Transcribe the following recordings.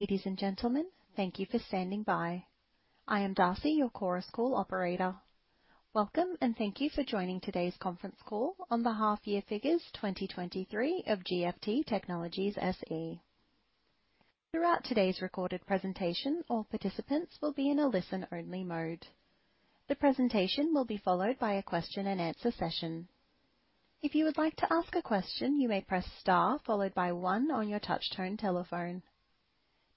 Ladies and gentlemen, thank you for standing by. I am Darcy, your Chorus Call operator. Welcome, and thank you for joining today's conference call on the half year figures 2023 of GFT Technologies SE. Throughout today's recorded presentation, all participants will be in a listen-only mode. The presentation will be followed by a question and answer session. If you would like to ask a question, you may press star followed by one on your touch-tone telephone.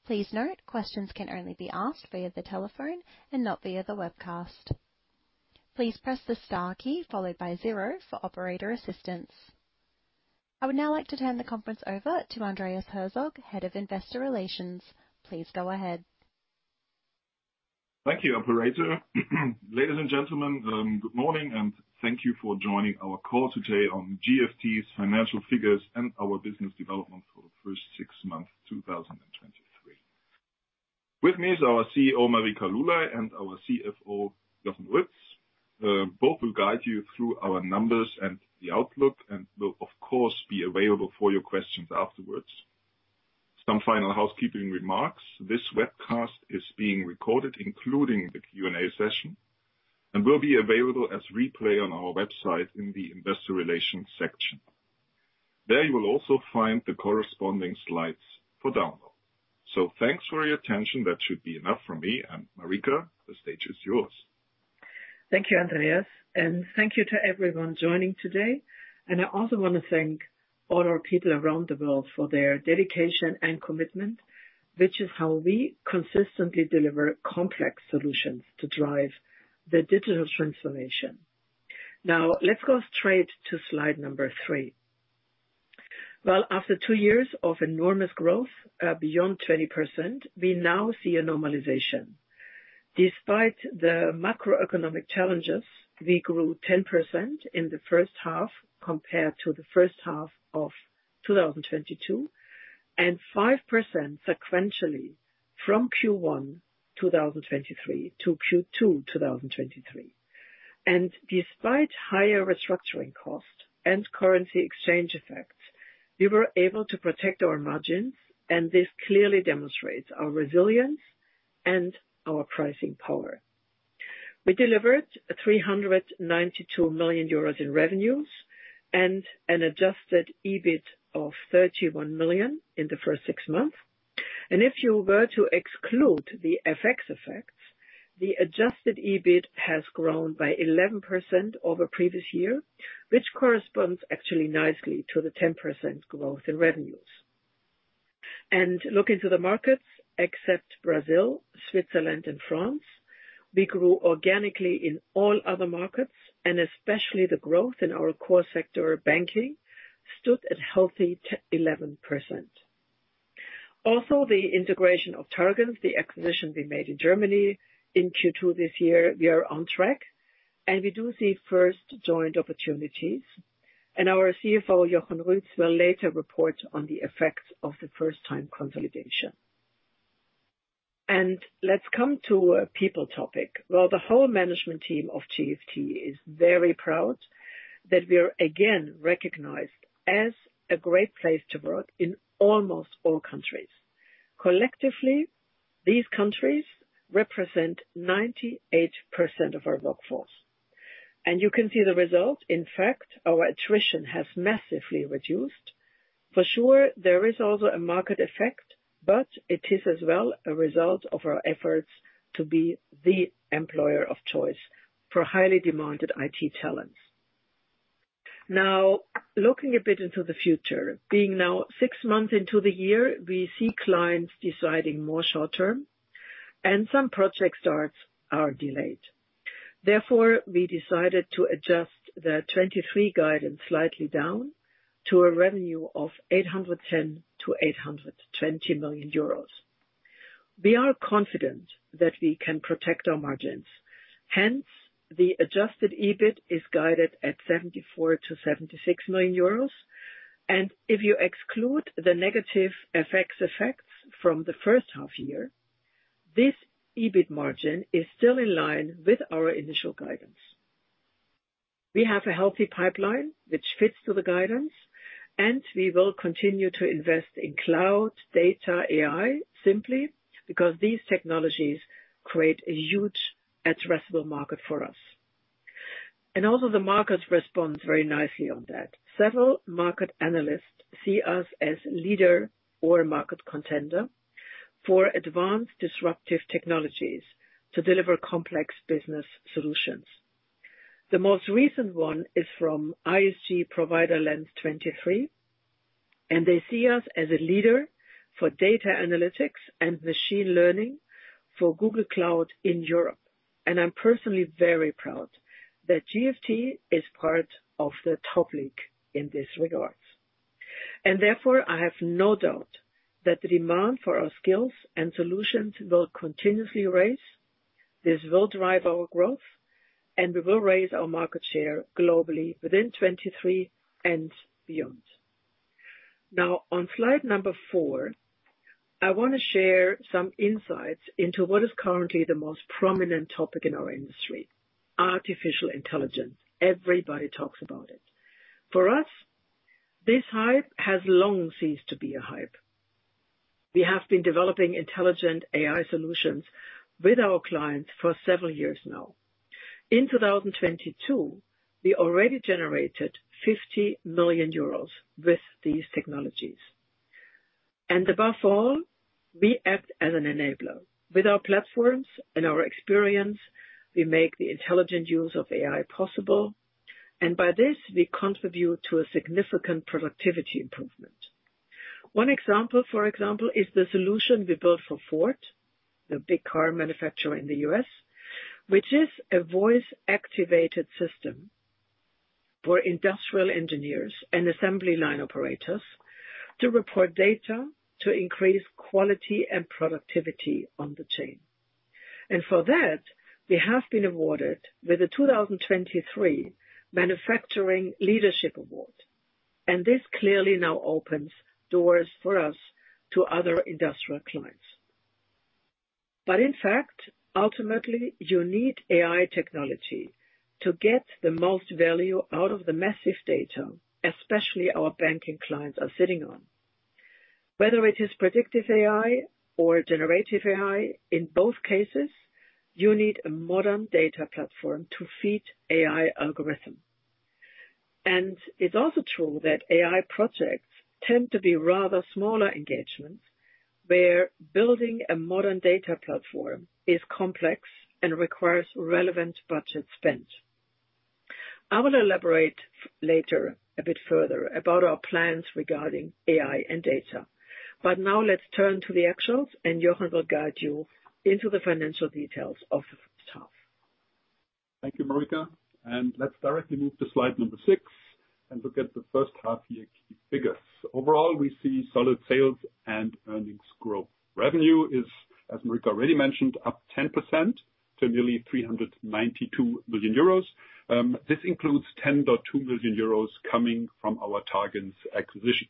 Please note, questions can only be asked via the telephone and not via the webcast. Please press the star key followed by zero for operator assistance. I would now like to turn the conference over to Andreas Herzog, Head of Investor Relations. Please go ahead. Thank you, operator. Ladies and gentlemen, good morning, and thank you for joining our call today on GFT's financial figures and our business development for the first six months, 2023. With me is our CEO, Marika Lulay, and our CFO, Jochen Ruetz. Both will guide you through our numbers and the outlook, and will, of course, be available for your questions afterwards. Some final housekeeping remarks: this webcast is being recorded, including the Q&A session, and will be available as replay on our website in the investor relations section. There you will also find the corresponding slides for download. Thanks for your attention. That should be enough from me, and Marika, the stage is yours. Thank you, Andreas, and thank you to everyone joining today. I also want to thank all our people around the world for their dedication and commitment, which is how we consistently deliver complex solutions to drive the digital transformation. Now, let's go straight to Slide 3. Well, after 2 years of enormous growth, beyond 20%, we now see a normalization. Despite the macroeconomic challenges, we grew 10% in the H1 compared to the H1 of 2022, and 5% sequentially from Q1 2023 to Q2 2023. Despite higher restructuring costs and currency exchange effects, we were able to protect our margins, and this clearly demonstrates our resilience and our pricing power. We delivered 392 million euros in revenues and an Adjusted EBIT of 31 million in the first 6 months. If you were to exclude the FX effects, the Adjusted EBIT has grown by 11% over previous year, which corresponds actually nicely to the 10% growth in revenues. Looking to the markets, except Brazil, Switzerland, and France, we grew organically in all other markets, and especially the growth in our core sector, banking, stood at healthy 11%. Also, the integration of targens, the acquisition we made in Germany in Q2 this year, we are on track, and we do see first joint opportunities, and our CFO, Jochen Ruetz, will later report on the effects of the first-time consolidation. Let's come to a people topic. Well, the whole management team of GFT is very proud that we are again recognized as a great place to work in almost all countries. Collectively, these countries represent 98% of our workforce, and you can see the result. In fact, our attrition has massively reduced. For sure, there is also a market effect, but it is as well a result of our efforts to be the employer of choice for highly demanded IT talents. Now, looking a bit into the future, being now 6 months into the year, we see clients deciding more short term and some project starts are delayed. Therefore, we decided to adjust the 2023 guidance slightly down to a revenue of 810 million-820 million euros. We are confident that we can protect our margins. Hence, the Adjusted EBIT is guided at 74 million-76 million euros, and if you exclude the negative FX effects from the H1 year, this EBIT margin is still in line with our initial guidance. We have a healthy pipeline which fits to the guidance, and we will continue to invest in cloud, data, AI, simply because these technologies create a huge addressable market for us. Also the market responds very nicely on that. Several market analysts see us as leader or market contender for advanced disruptive technologies to deliver complex business solutions. The most recent one is from ISG Provider Lens 2023, and they see us as a leader for data analytics and machine learning for Google Cloud in Europe. I'm personally very proud that GFT is part of the top league in this regards. Therefore, I have no doubt that the demand for our skills and solutions will continuously raise. This will drive our growth, and we will raise our market share globally within 2023 and beyond. Now, on Slide 4, I want to share some insights into what is currently the most prominent topic in our industry, artificial intelligence. Everybody talks about it. This hype has long ceased to be a hype. We have been developing intelligent AI solutions with our clients for several years now. In 2022, we already generated 50 million euros with these technologies. Above all, we act as an enabler. With our platforms and our experience, we make the intelligent use of AI possible, and by this, we contribute to a significant productivity improvement. One example, for example, is the solution we built for Ford, the big car manufacturer in the U.S., which is a voice-activated system for industrial engineers and assembly line operators to report data to increase quality and productivity on the chain. For that, we have been awarded with the 2023 Manufacturing Leadership Award, and this clearly now opens doors for us to other industrial clients. In fact, ultimately, you need AI technology to get the most value out of the massive data, especially our banking clients are sitting on. Whether it is predictive AI or generative AI, in both cases, you need a modern data platform to feed AI algorithm. It's also true that AI projects tend to be rather smaller engagements, where building a modern data platform is complex and requires relevant budget spend. I will elaborate later a bit further about our plans regarding AI and data. Now let's turn to the actuals, and Jochen will guide you into the financial details of the half. Thank you, Marika. Let's directly move to Slide 6 and look at the H1 year key figures. Overall, we see solid sales and earnings growth. Revenue is, as Marika already mentioned, up 10% to nearly 392 million euros. This includes 10.2 million euros coming from our targens acquisition.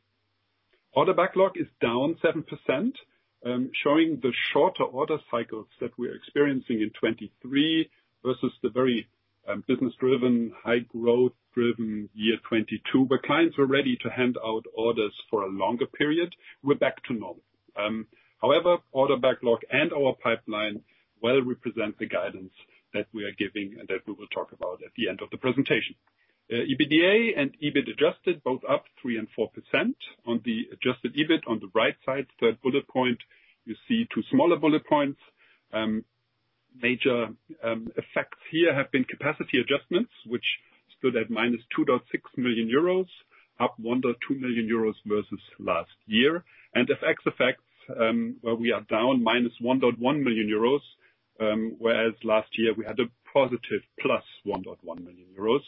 Order backlog is down 7%, showing the shorter order cycles that we're experiencing in 2023 versus the very business-driven, high growth-driven year 2022, where clients were ready to hand out orders for a longer period. We're back to normal. However, order backlog and our pipeline well represent the guidance that we are giving and that we will talk about at the end of the presentation. EBITDA and EBIT Adjusted, both up 3% and 4%. On the Adjusted EBIT on the right side, third bullet point, you see two smaller bullet points. Major effects here have been capacity adjustments, which stood at -2.6 million euros, up 1.2 million euros versus last year. FX effects, where we are down -1.1 million euros, whereas last year we had a positive +1.1 million euros.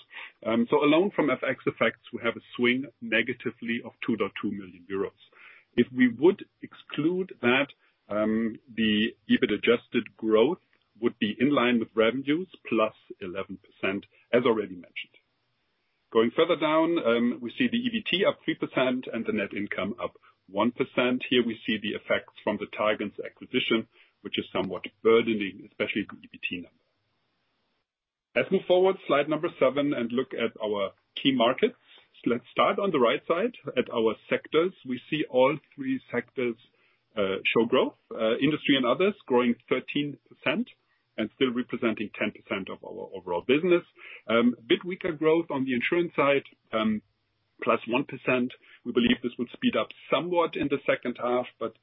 Alone from FX effects, we have a swing negatively of 2.2 million euros. If we would exclude that, the EBIT-Adjusted growth would be in line with revenues, +11%, as already mentioned. Going further down, we see the EBT up 3% and the net income up 1%. Here we see the effects from the targens' acquisition, which is somewhat burdening, especially the EBT number. Let's move forward, Slide 7, and look at our key markets. Let's start on the right side at our sectors. We see all 3 sectors show growth. Industry and others growing 13% and still representing 10% of our overall business. A bit weaker growth on the insurance side, plus 1%. We believe this will speed up somewhat in the H2, but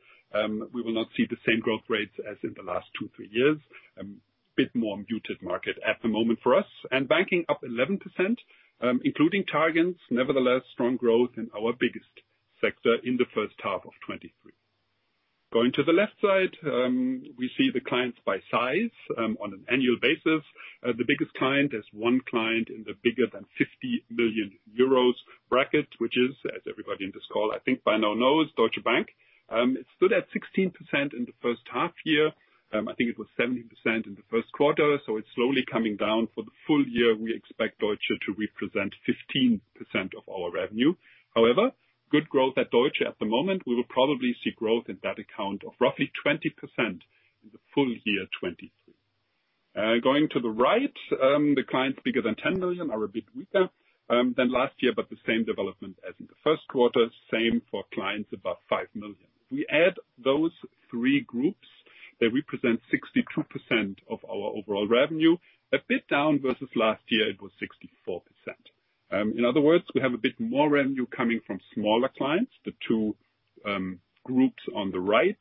we will not see the same growth rates as in the last 2, 3 years. Bit more muted market at the moment for us. Banking up 11%, including targens'. Nevertheless, strong growth in our biggest sector in the H1 of 2023. Going to the left side, we see the clients by size on an annual basis. The biggest client is one client in the bigger than 50 million euros bracket, which is, as everybody in this call, I think, by now knows, Deutsche Bank. It stood at 16% in the H1 year. I think it was 17% in the Q1, it's slowly coming down. For the full year, we expect Deutsche to represent 15% of our revenue. However, good growth at Deutsche at the moment, we will probably see growth in that account of roughly 20% in the full year 2023. Going to the right, the clients bigger than 10 million are a bit weaker than last year, but the same development as in the Q1, same for clients above 5 million. We add those three groups, they represent 62% of our overall revenue, a bit down versus last year, it was 64%. In other words, we have a bit more revenue coming from smaller clients, the two groups on the right,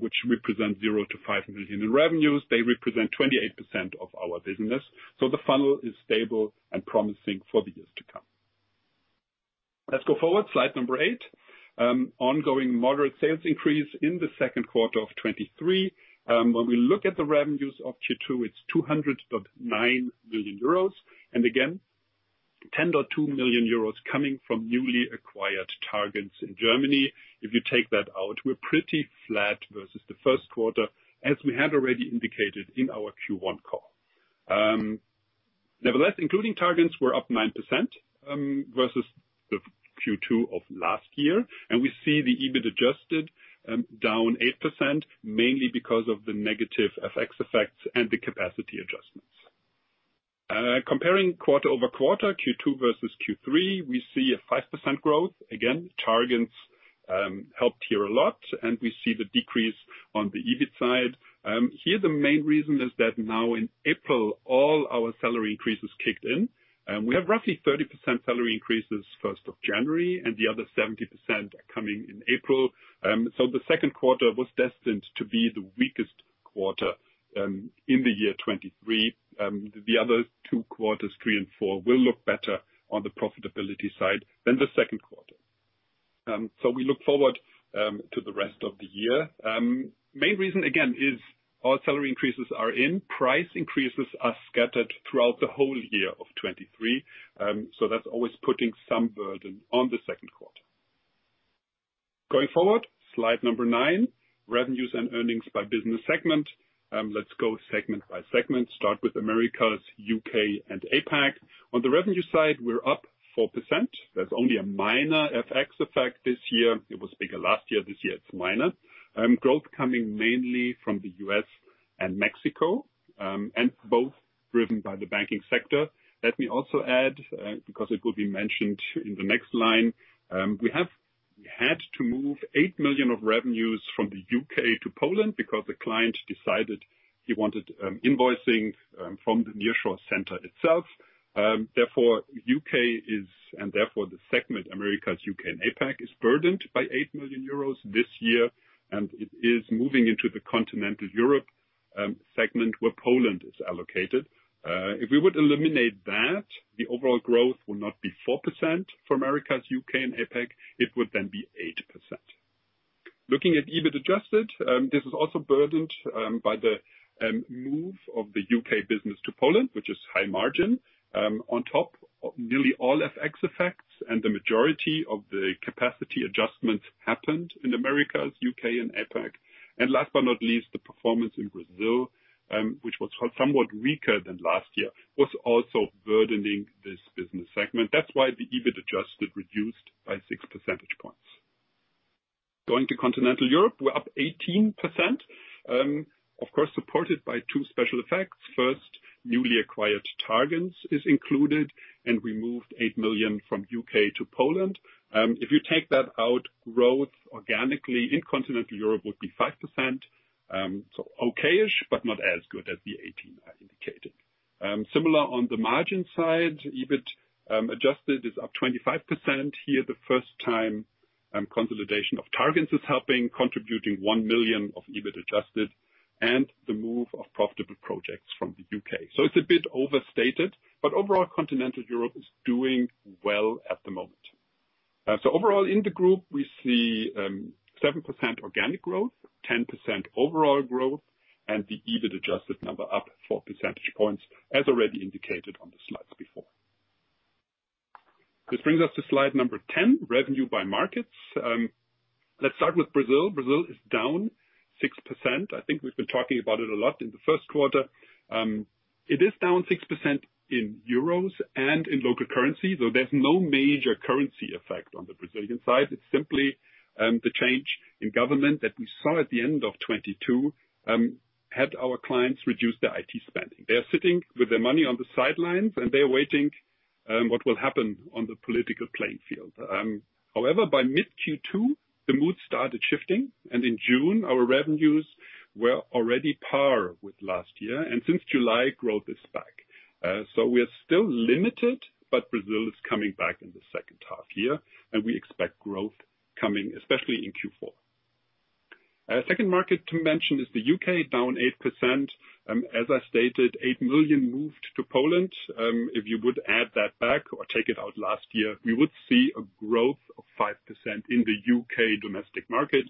which represent 0-5 million in revenues. They represent 28% of our business, the funnel is stable and promising for the years to come. Let's go forward, Slide 8. Ongoing moderate sales increase in the Q2 of 2023. When we look at the revenues of Q2, it's 200.9 billion euros. Again, 10.2 million euros coming from newly acquired targens in Germany. If you take that out, we're pretty flat versus the Q1, as we had already indicated in our Q1 call. Nevertheless, including targens, we're up 9% versus the Q2 of last year, and we see the EBIT Adjusted down 8%, mainly because of the negative FX effects and the capacity adjustments. Comparing quarter-over-quarter, Q2 versus Q3, we see a 5% growth. Again, targens helped here a lot, and we see the decrease on the EBIT side. Here, the main reason is that now in April, all our salary increases kicked in, and we have roughly 30% salary increases 1st of January, and the other 70% are coming in April. The Q2 was destined to be the weakest quarter in the year 2023. The other 2 quarters, 3 and 4, will look better on the profitability side than the Q2. We look forward to the rest of the year. Main reason, again, is all salary increases are in. Price increases are scattered throughout the whole year of 2023, that's always putting some burden on the Q2. Going forward, Slide 9, revenues and earnings by business segment. Let's go segment by segment. Start with Americas, U.K. & APAC. On the revenue side, we're up 4%. There's only a minor FX effect this year. It was bigger last year. This year, it's minor. Growth coming mainly from the U.S. and Mexico, both driven by the banking sector. Let me also add, because it will be mentioned in the next line, we have had to move 8 million of revenues from the U.K. to Poland because the client decided he wanted invoicing from the nearshore center itself. Therefore, U.K. is, and therefore the segment, Americas, U.K. & APAC, is burdened by 8 million euros this year, and it is moving into the Continental Europe segment, where Poland is allocated. If we would eliminate that, the overall growth will not be 4% for Americas, U.K. & APAC. It would be 8%. Looking at EBIT Adjusted, this is also burdened by the move of the U.K. business to Poland, which is high margin. On top of nearly all FX effects, the majority of the capacity adjustments happened in Americas, U.K. & APAC. Last but not least, the performance in Brazil, which was somewhat weaker than last year, was also burdening this business segment. That's why the EBIT Adjusted reduced by 6 percentage points. Going to Continental Europe, we're up 18%, of course, supported by two special effects. First, newly acquired targens is included, and we moved 8 million from U.K. to Poland. If you take that out, growth organically in Continental Europe would be 5%. So okay-ish, but not as good as the 18 I indicated. Similar on the margin side, EBIT Adjusted is up 25%. Here, the first time, consolidation of targens is helping, contributing 1 million of EBIT Adjusted and the move of profitable projects from the U.K. It's a bit overstated, but overall, Continental Europe is doing well at the moment. Overall in the group, we see 7% organic growth, 10% overall growth, and the EBIT Adjusted number up four percentage points, as already indicated on the slides before. This brings us to Slide 10, revenue by markets. Let's start with Brazil. Brazil is down 6%. I think we've been talking about it a lot in the Q1. It is down 6% in EUR and in local currency, so there's no major currency effect on the Brazilian side. It's simply the change in government that we saw at the end of 2022 had our clients reduce their IT spending. They are sitting with their money on the sidelines, and they are waiting what will happen on the political playing field. However, by mid-Q2, the mood started shifting, and in June, our revenues were already par with last year, and since July, growth is back. We are still limited, but Brazil is coming back in the H2 year, and we expect growth coming, especially in Q4. Second market to mention is the U.K., down 8%. As I stated, 8 million moved to Poland. If you would add that back, or take it out last year, we would see a growth of 5% in the U.K. domestic market,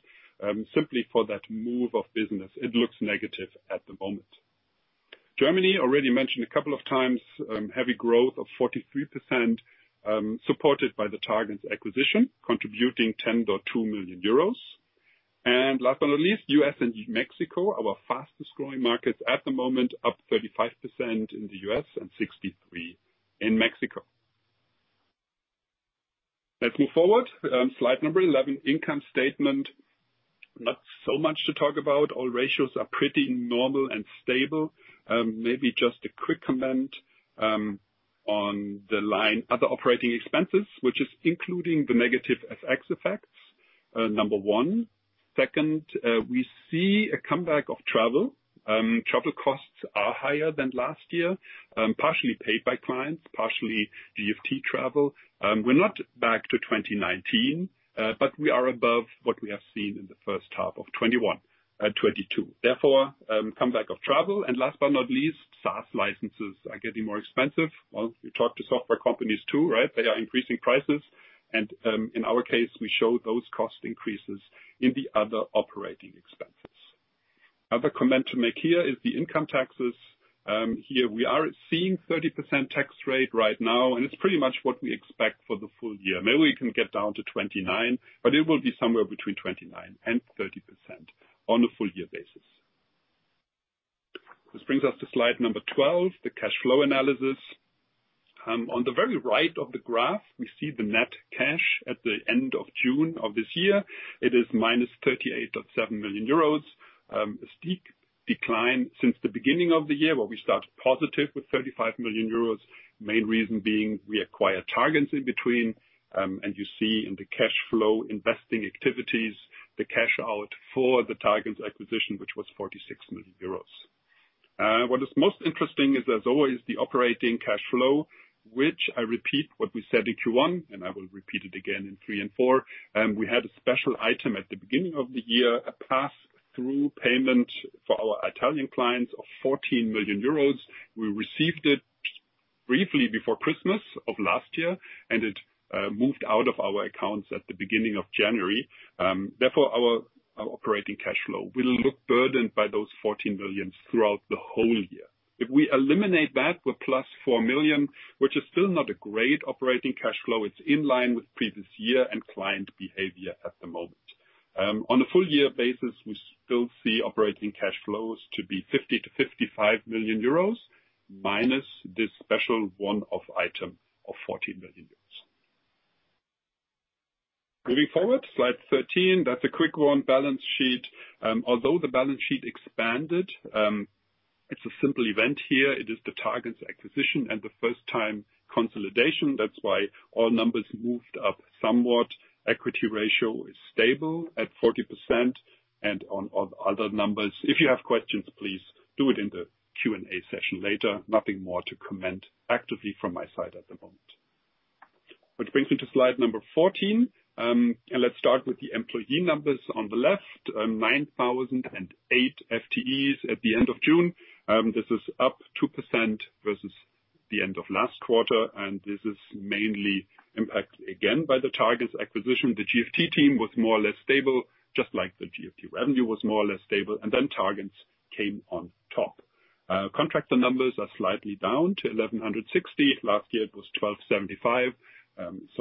simply for that move of business. It looks negative at the moment. Germany, already mentioned a couple of times, heavy growth of 43%, supported by the targens acquisition, contributing 10.2 million euros. Last but not least, U.S. and Mexico, our fastest growing markets at the moment, up 35% in the U.S. and 63% in Mexico. Let's move forward. Slide 11, income statement. Not so much to talk about. All ratios are pretty normal and stable. Maybe just a quick comment on the line, other operating expenses, which is including the negative FX effects, number one. Second, we see a comeback of travel. Travel costs are higher than last year, partially paid by clients, partially GFT travel. We're not back to 2019, but we are above what we have seen in the H1 of 2021, 2022. Therefore, comeback of travel. Last but not least, SaaS licenses are getting more expensive. Well, we talked to software companies, too, right? They are increasing prices, and in our case, we show those cost increases in the other operating expenses. Other comment to make here is the income taxes. Here, we are seeing 30% tax rate right now, and it's pretty much what we expect for the full year. Maybe we can get down to 29, but it will be somewhere between 29%-30% on a full year basis. This brings us to Slide 12, the cash flow analysis. On the very right of the graph, we see the net cash at the end of June of this year. It is -38.7 million euros. A steep decline since the beginning of the year, where we started positive with 35 million euros. Main reason being we acquired targens in between, and you see in the cash flow investing activities, the cash out for the targens acquisition, which was 46 million euros. What is most interesting is, as always, the operating cash flow, which I repeat what we said in Q1, and I will repeat it again in three and four. We had a special item at the beginning of the year, a pass-through payment for our Italian clients of 14 million euros. We received it briefly before Christmas of last year, and it moved out of our accounts at the beginning of January. Therefore, our operating cash flow will look burdened by those 14 million throughout the whole year. If we eliminate that, we're plus 4 million, which is still not a great operating cash flow. It's in line with previous year and client behavior at the moment. On a full year basis, we still see operating cash flows to be 50 million-55 million euros, minus this special one-off item of 14 million euros. Moving forward, Slide 13, that's a quick one. Balance sheet. Although the balance sheet expanded, it's a simple event here. It is the targens acquisition and the first time consolidation. That's why all numbers moved up somewhat. Equity ratio is stable at 40%, and on all other numbers, if you have questions, please do it in the Q&A session later. Nothing more to comment actively from my side at the moment. Which brings me to Slide 14. Let's start with the employee numbers on the left. 9,008 FTEs at the end of June. This is up 2% versus the end of last quarter, and this is mainly impacted again by the targens acquisition. The GFT team was more or less stable, just like the GFT revenue was more or less stable, and then targens came on top. Contractor numbers are slightly down to 1,160. Last year, it was 1,275.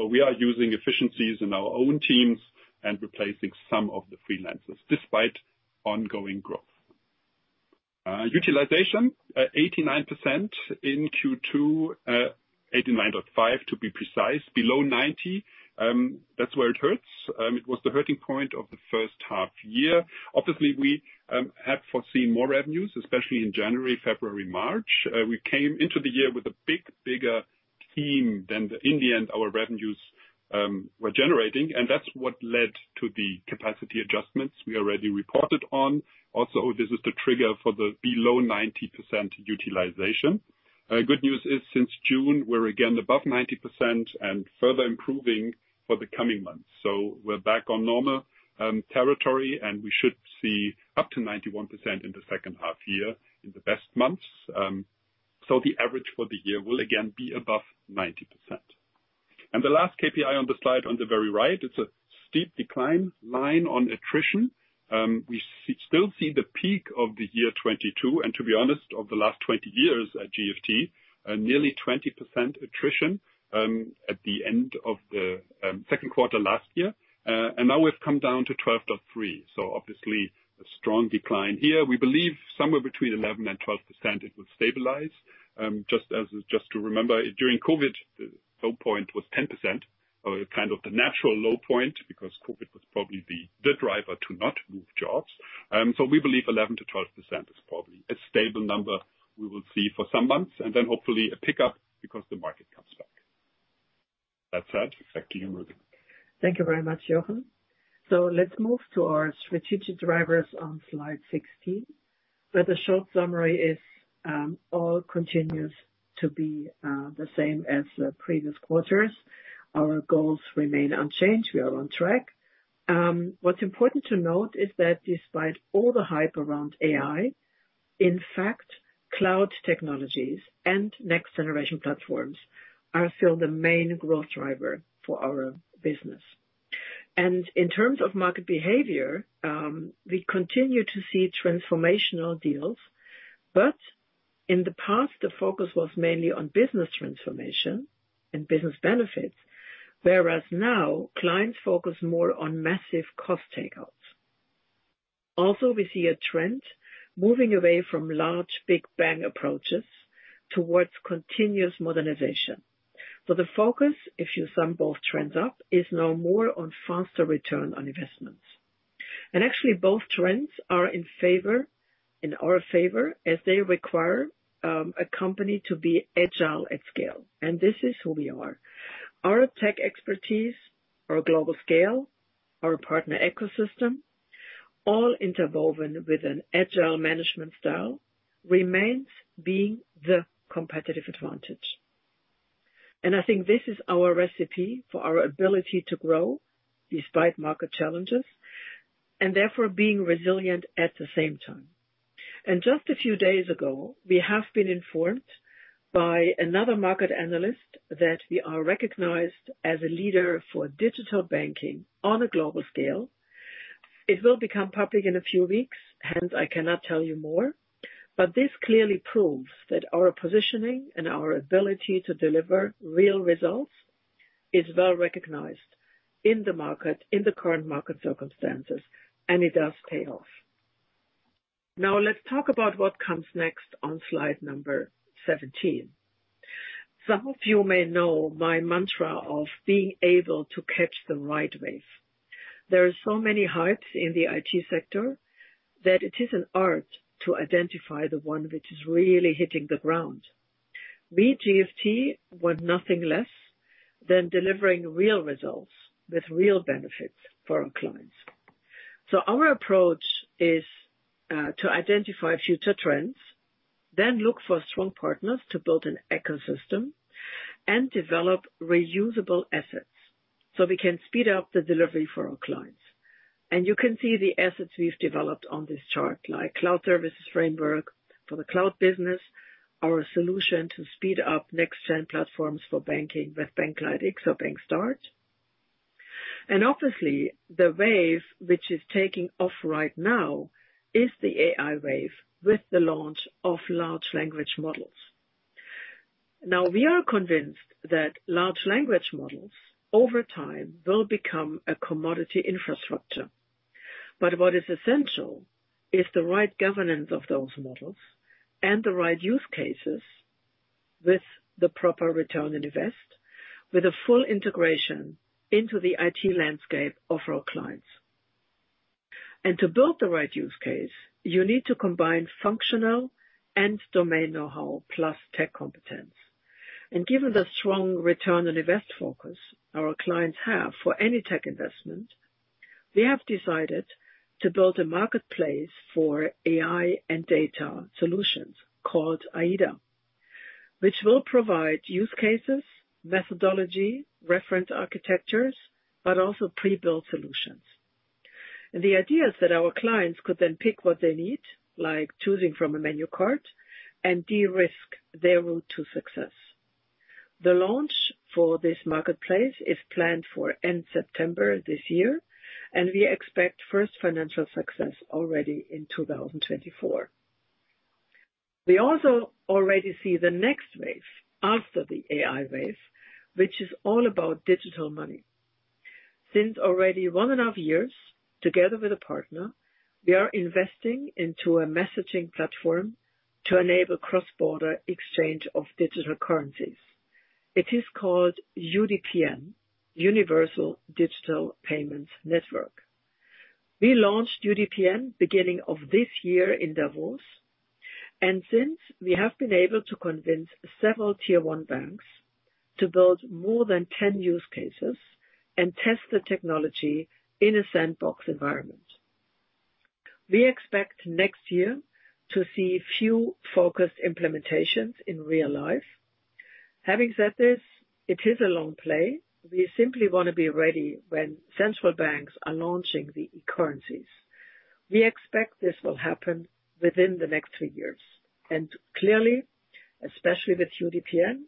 We are using efficiencies in our own teams and replacing some of the freelancers despite ongoing growth. Utilization, 89% in Q2, 89.5 to be precise, below 90. That's where it hurts. It was the hurting point of the H1 year. Obviously, we had foreseen more revenues, especially in January, February, March. We came into the year with a big, bigger team than in the end our revenues were generating, and that's what led to the capacity adjustments we already reported on. This is the trigger for the below 90% utilization. Good news is, since June, we're again above 90% and further improving for the coming months. We're back on normal territory, and we should see up to 91% in the H2 year in the best months. The average for the year will again be above 90%. The last KPI on the slide on the very right, it's a steep decline line on attrition. We still see the peak of the year 2022, and to be honest, of the last 20 years at GFT, nearly 20% attrition, at the end of the Q2 last year. Now we've come down to 12.3. Obviously, a strong decline here. We believe somewhere between 11% and 12%, it will stabilize. Just as, just to remember, during COVID, the low point was 10%, or kind of the natural low point, because COVID was probably the, the driver to not move jobs. we believe 11%-12% is probably a stable number we will see for some months, and then hopefully a pickup because the market comes back. That's it. Back to you, Marika. Thank you very much, Jochen. Let's move to our strategic drivers on Slide 16, where the short summary is, all continues to be the same as the previous quarters. Our goals remain unchanged. We are on track. What's important to note is that despite all the hype around AI, in fact, cloud technologies and next-generation platforms are still the main growth driver for our business. In terms of market behavior, we continue to see transformational deals, but in the past, the focus was mainly on business transformation and business benefits, whereas now, clients focus more on massive cost takeouts. We see a trend moving away from large, big bang approaches towards continuous modernization. The focus, if you sum both trends up, is now more on faster return on investments. Actually, both trends are in favor, in our favor, as they require a company to be agile at scale. This is who we are. Our tech expertise, our global scale, our partner ecosystem, all interwoven with an agile management style, remains being the competitive advantage. I think this is our recipe for our ability to grow despite market challenges, and therefore being resilient at the same time. Just a few days ago, we have been informed by another market analyst that we are recognized as a leader for digital banking on a global scale. It will become public in a few weeks, hence I cannot tell you more. This clearly proves that our positioning and our ability to deliver real results is well recognized in the market, in the current market circumstances, and it does pay off. Now let's talk about what comes next on Slide 17. Some of you may know my mantra of being able to catch the right wave. There are so many hypes in the IT sector that it is an art to identify the one which is really hitting the ground. We, GFT, want nothing less than delivering real results with real benefits for our clients. Our approach is to identify future trends, then look for strong partners to build an ecosystem and develop reusable assets so we can speed up the delivery for our clients. You can see the assets we've developed on this chart, like Cloud Services Framework for the cloud business, our solution to speed up next-gen platforms for banking with BankLiteX or BankStart. Obviously, the wave which is taking off right now is the AI wave with the launch of large language models. Now, we are convinced that large language models, over time, will become a commodity infrastructure. What is essential is the right governance of those models and the right use cases with the proper return on invest, with a full integration into the IT landscape of our clients. To build the right use case, you need to combine functional and domain know-how, plus tech competence. Given the strong return on invest focus our clients have for any tech investment, we have decided to build a marketplace for AI and data solutions called AI.DA, which will provide use cases, methodology, reference architectures, but also pre-built solutions. The idea is that our clients could then pick what they need, like choosing from a menu card, and de-risk their route to success. The launch for this marketplace is planned for end September this year, and we expect first financial success already in 2024. We also already see the next wave after the AI wave, which is all about digital money. Since already 1.5 years, together with a partner, we are investing into a messaging platform to enable cross-border exchange of digital currencies. It is called UDPN, Universal Digital Payments Network. We launched UDPN beginning of this year in Davos, and since, we have been able to convince several tier 1 banks to build more than 10 use cases and test the technology in a sandbox environment. We expect next year to see few focused implementations in real life. Having said this, it is a long play. We simply want to be ready when central banks are launching the e-currencies. We expect this will happen within the next 3 years, clearly, especially with UDPN,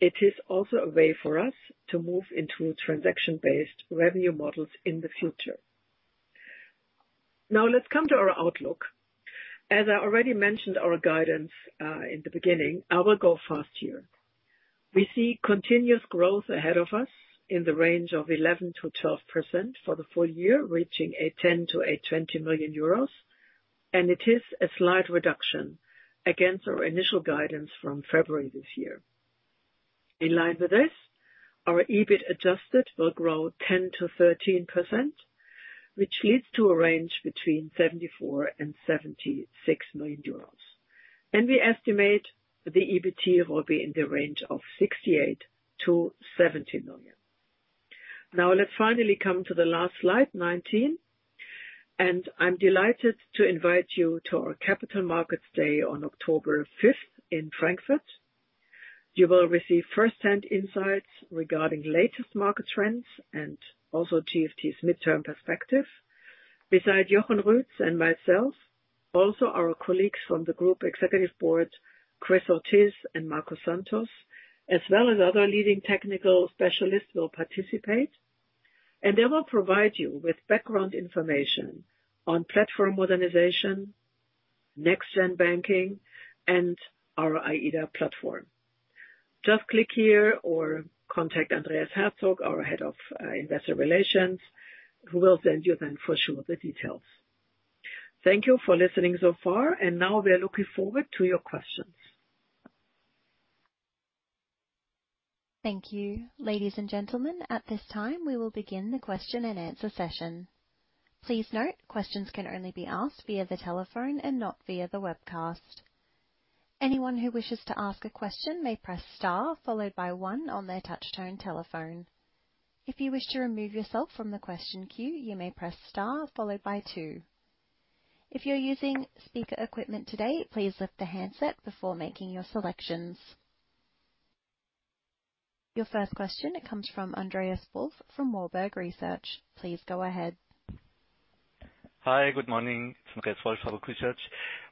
it is also a way for us to move into transaction-based revenue models in the future. Let's come to our outlook. As I already mentioned, our guidance in the beginning, I will go fast here. We see continuous growth ahead of us in the range of 11%-12% for the full year, reaching 10 million-20 million euros, it is a slight reduction against our initial guidance from February this year. In line with this, our EBIT Adjusted will grow 10%-13%, which leads to a range between 74 million-76 million euros. We estimate the EBIT will be in the range of 68 million-70 million. Let's finally come to the last Slide 19, and I'm delighted to invite you to our Capital Markets Day on October 5th in Frankfurt. You will receive first-hand insights regarding latest market trends and also GFT's midterm perspective. Besides Jochen Ruetz and myself, also our colleagues from the group, Executive Board, Chris Ortiz and Marco Santos, as well as other leading technical specialists, will participate. They will provide you with background information on platform modernization, next-gen banking, and our AI.DA platform. Just click here or contact Andreas Herzog, our Head of Investor Relations, who will send you then for sure, the details. Thank you for listening so far, and now we are looking forward to your questions. Thank you. Ladies and gentlemen, at this time, we will begin the question-and-answer session. Please note, questions can only be asked via the telephone and not via the webcast. Anyone who wishes to ask a question may press star followed by one on their touchtone telephone. If you wish to remove yourself from the question queue, you may press star followed by two. If you're using speaker equipment today, please lift the handset before making your selections. Your first question comes from Andreas Wolf, from Warburg Research. Please go ahead. Hi, good morning. It's Andreas Wolf, Warburg Research.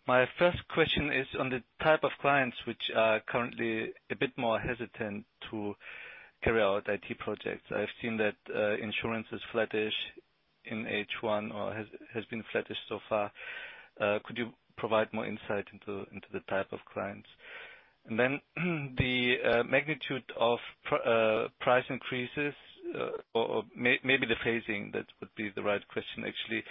My first question is on the type of clients which are currently a bit more hesitant to carry out IT projects. I've seen that insurance is flattish in H1 or has been flattish so far. Could you provide more insight into the type of clients? Then the magnitude of price increases, or maybe the phasing, that would be the right question, actually.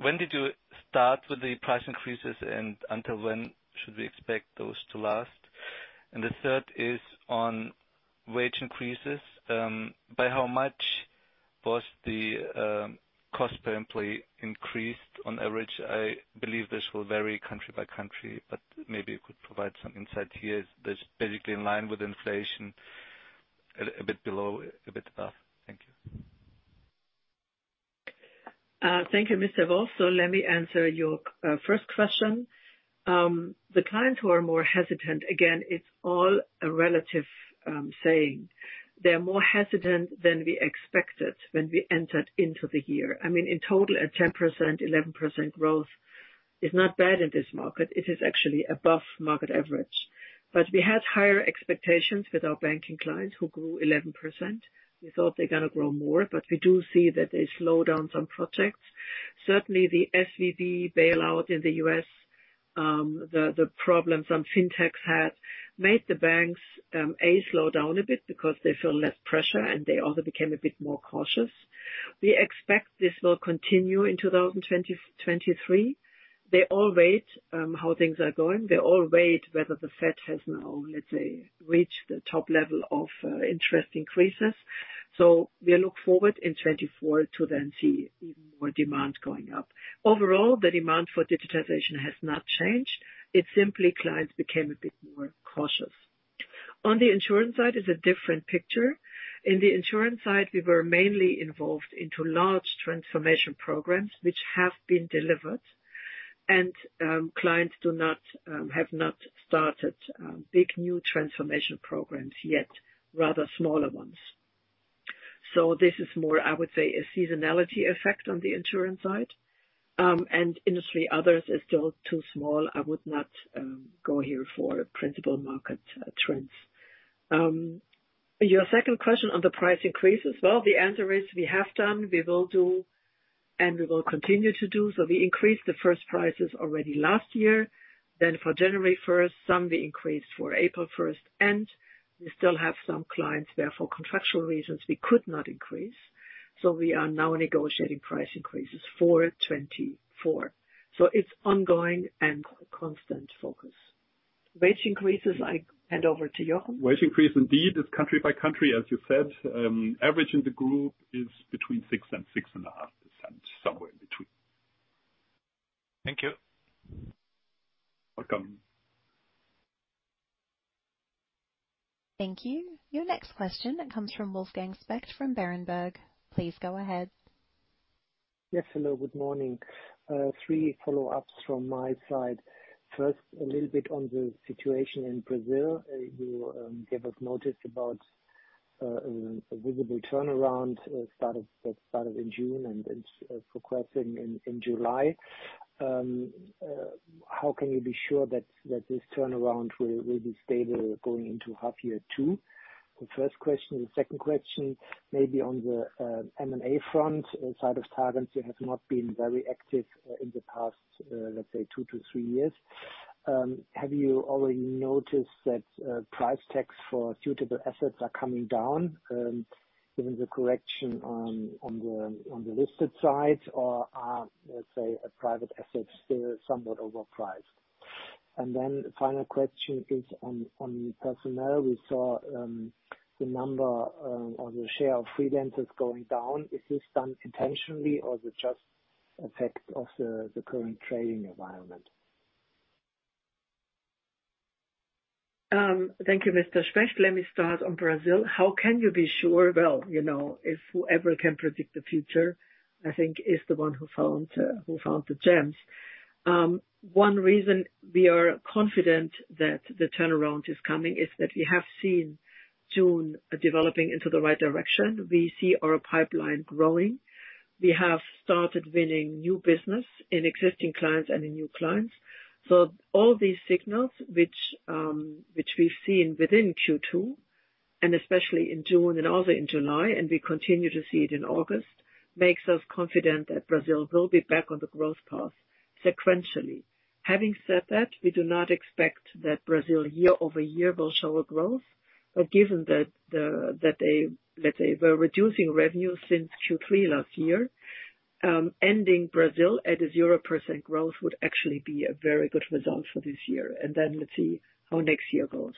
When did you start with the price increases, and until when should we expect those to last? The third is on wage increases. By how much was the cost per employee increased on average? I believe this will vary country by country, but maybe you could provide some insight here. Is this basically in line with inflation, a bit below, a bit above? Thank you. Thank you, Mr. Wolf. Let me answer your first question. The clients who are more hesitant, again, it's all a relative saying. They're more hesitant than we expected when we entered into the year. I mean, in total, a 10%, 11% growth is not bad in this market. It is actually above market average. We had higher expectations with our banking clients, who grew 11%. We thought they're gonna grow more, but we do see that they slow down some projects. Certainly, the SVB bailout in the U.S., the problems some fintechs had made the banks slow down a bit because they feel less pressure, and they also became a bit more cautious. We expect this will continue in 2023. They all wait how things are going. They all wait whether the Fed has now, let's say, reached the top level of interest increases. We look forward in 2024 to then see even more demand going up. Overall, the demand for digitization has not changed. It's simply clients became a bit more cautious. On the insurance side is a different picture. In the insurance side, we were mainly involved into large transformation programs, which have been delivered. Clients do not have not started big new transformation programs yet, rather smaller ones. This is more, I would say, a seasonality effect on the insurance side. Industry others is still too small. I would not go here for principal market trends. Your second question on the price increases, well, the answer is we have done, we will do, and we will continue to do. We increased the first prices already last year, then for January first, some we increased for April first, and we still have some clients where for contractual reasons we could not increase. We are now negotiating price increases for 2024. It's ongoing and constant focus. Wage increases, I hand over to Jochen. Wage increase, indeed, is country by country, as you said. Average in the group is between 6% and 6.5%, somewhere in between. Thank you. Welcome. Thank you. Your next question comes from Wolfgang Specht from Berenberg. Please go ahead. Yes, hello, good morning. 3 follow-ups from my side. First, a little bit on the situation in Brazil. You gave us notice about a visible turnaround, start of in June and progressing in July. How can you be sure that this turnaround will be stable going into H2? The first question. The second question, maybe on the M&A front, inside of Target, it has not been very active in the past, let's say, 2 to 3 years. Have you already noticed that price tags for suitable assets are coming down, given the correction on the listed side? Are, let's say, private assets still somewhat overpriced? Final question is on personnel. We saw, the number, or the share of freelancers going down. Is this done intentionally, or is it just effect of the current trading environment? Thank you, Mr. Specht. Let me start on Brazil. How can you be sure? Well, you know, if whoever can predict the future, I think, is the one who found who found the gems. One reason we are confident that the turnaround is coming is that we have seen June developing into the right direction. We see our pipeline growing. We have started winning new business in existing clients and in new clients. All these signals, which we've seen within Q2, and especially in June and also in July, and we continue to see it in August, makes us confident that Brazil will be back on the growth path sequentially. Having said that, we do not expect that Brazil year-over-year will show a growth. Given that the, that they, let's say, were reducing revenue since Q3 last year, ending Brazil at a 0% growth would actually be a very good result for this year. Then let's see how next year goes.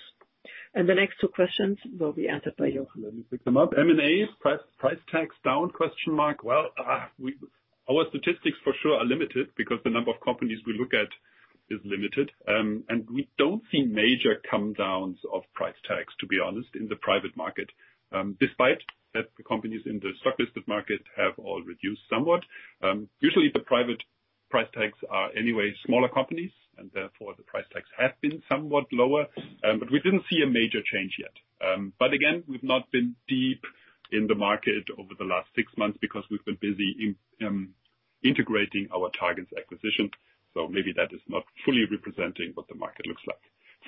The next two questions will be answered by Jochen. Let me pick them up. M&A, price, price tags down, question mark? Well, we, our statistics for sure are limited because the number of companies we look at is limited. We don't see major comedowns of price tags, to be honest, in the private market, despite that the companies in the stock-listed market have all reduced somewhat. Usually, the private price tags are anyway smaller companies, and therefore the price tags have been somewhat lower, but we didn't see a major change yet. Again, we've not been deep in the market over the last six months because we've been busy in integrating our targens acquisition, so maybe that is not fully representing what the market looks like.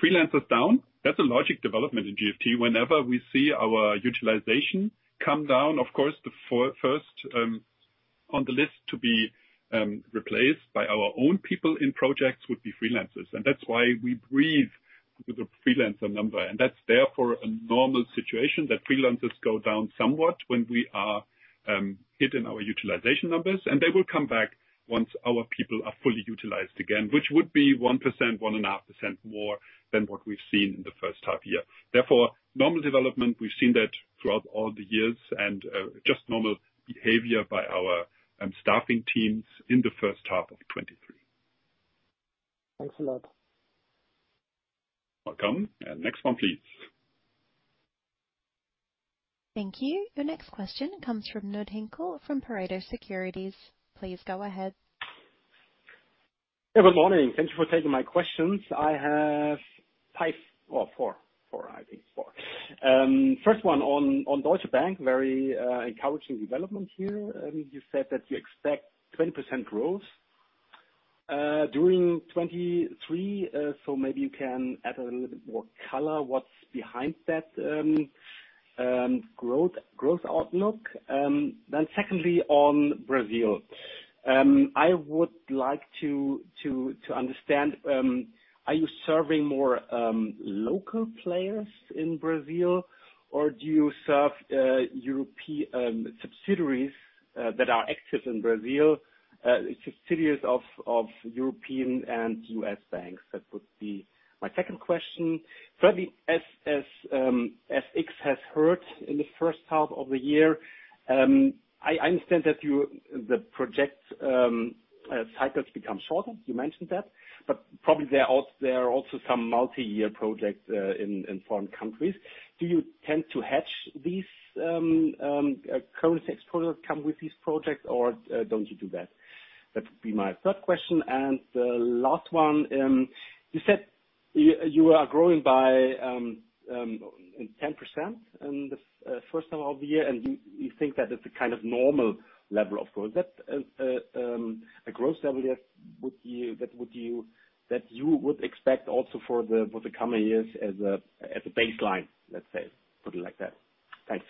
Freelancers down, that's a logic development in GFT. Whenever we see our utilization come down, of course, first, on the list to be replaced by our own people in projects would be freelancers, and that's why we breathe with the freelancer number. That's therefore a normal situation, that freelancers go down somewhat when we are hitting our utilization numbers. They will come back once our people are fully utilized again, which would be 1%, 1.5% more than what we've seen in the H1 year. Therefore, normal development, we've seen that throughout all the years and just normal behavior by our staffing teams in the H1 of 2023. Thanks a lot. Welcome. Next one, please. Thank you. The next question comes from Knud Hinkel from Pareto Securities. Please go ahead. Hey, good morning. Thank you for taking my questions. I have 5-- or 4, 4, I think 4. First one on, on Deutsche Bank, very encouraging development here. You said that you expect 20% growth during 2023. So maybe you can add a little bit more color what's behind that growth, growth outlook. Secondly, on Brazil, I would like to understand, are you serving more local players in Brazil? Or do you serve Europe- subsidiaries that are active in Brazil, subsidiaries of European and U.S. banks? That would be my second question. Thirdly, as, as FX has hurt in the H1 of the year, I, I understand that you the project cycles become shorter, you mentioned that, but probably there are also some multi-year projects in foreign countries. Do you tend to hedge these currency exposure come with these projects, or don't you do that? That would be my third question. The last one, you said you are growing by 10% in the H1 of the year, and you, you think that is the kind of normal level of growth. Is that a growth level that would you that you would expect also for the coming years as a baseline, let's say? Put it like that. Thanks.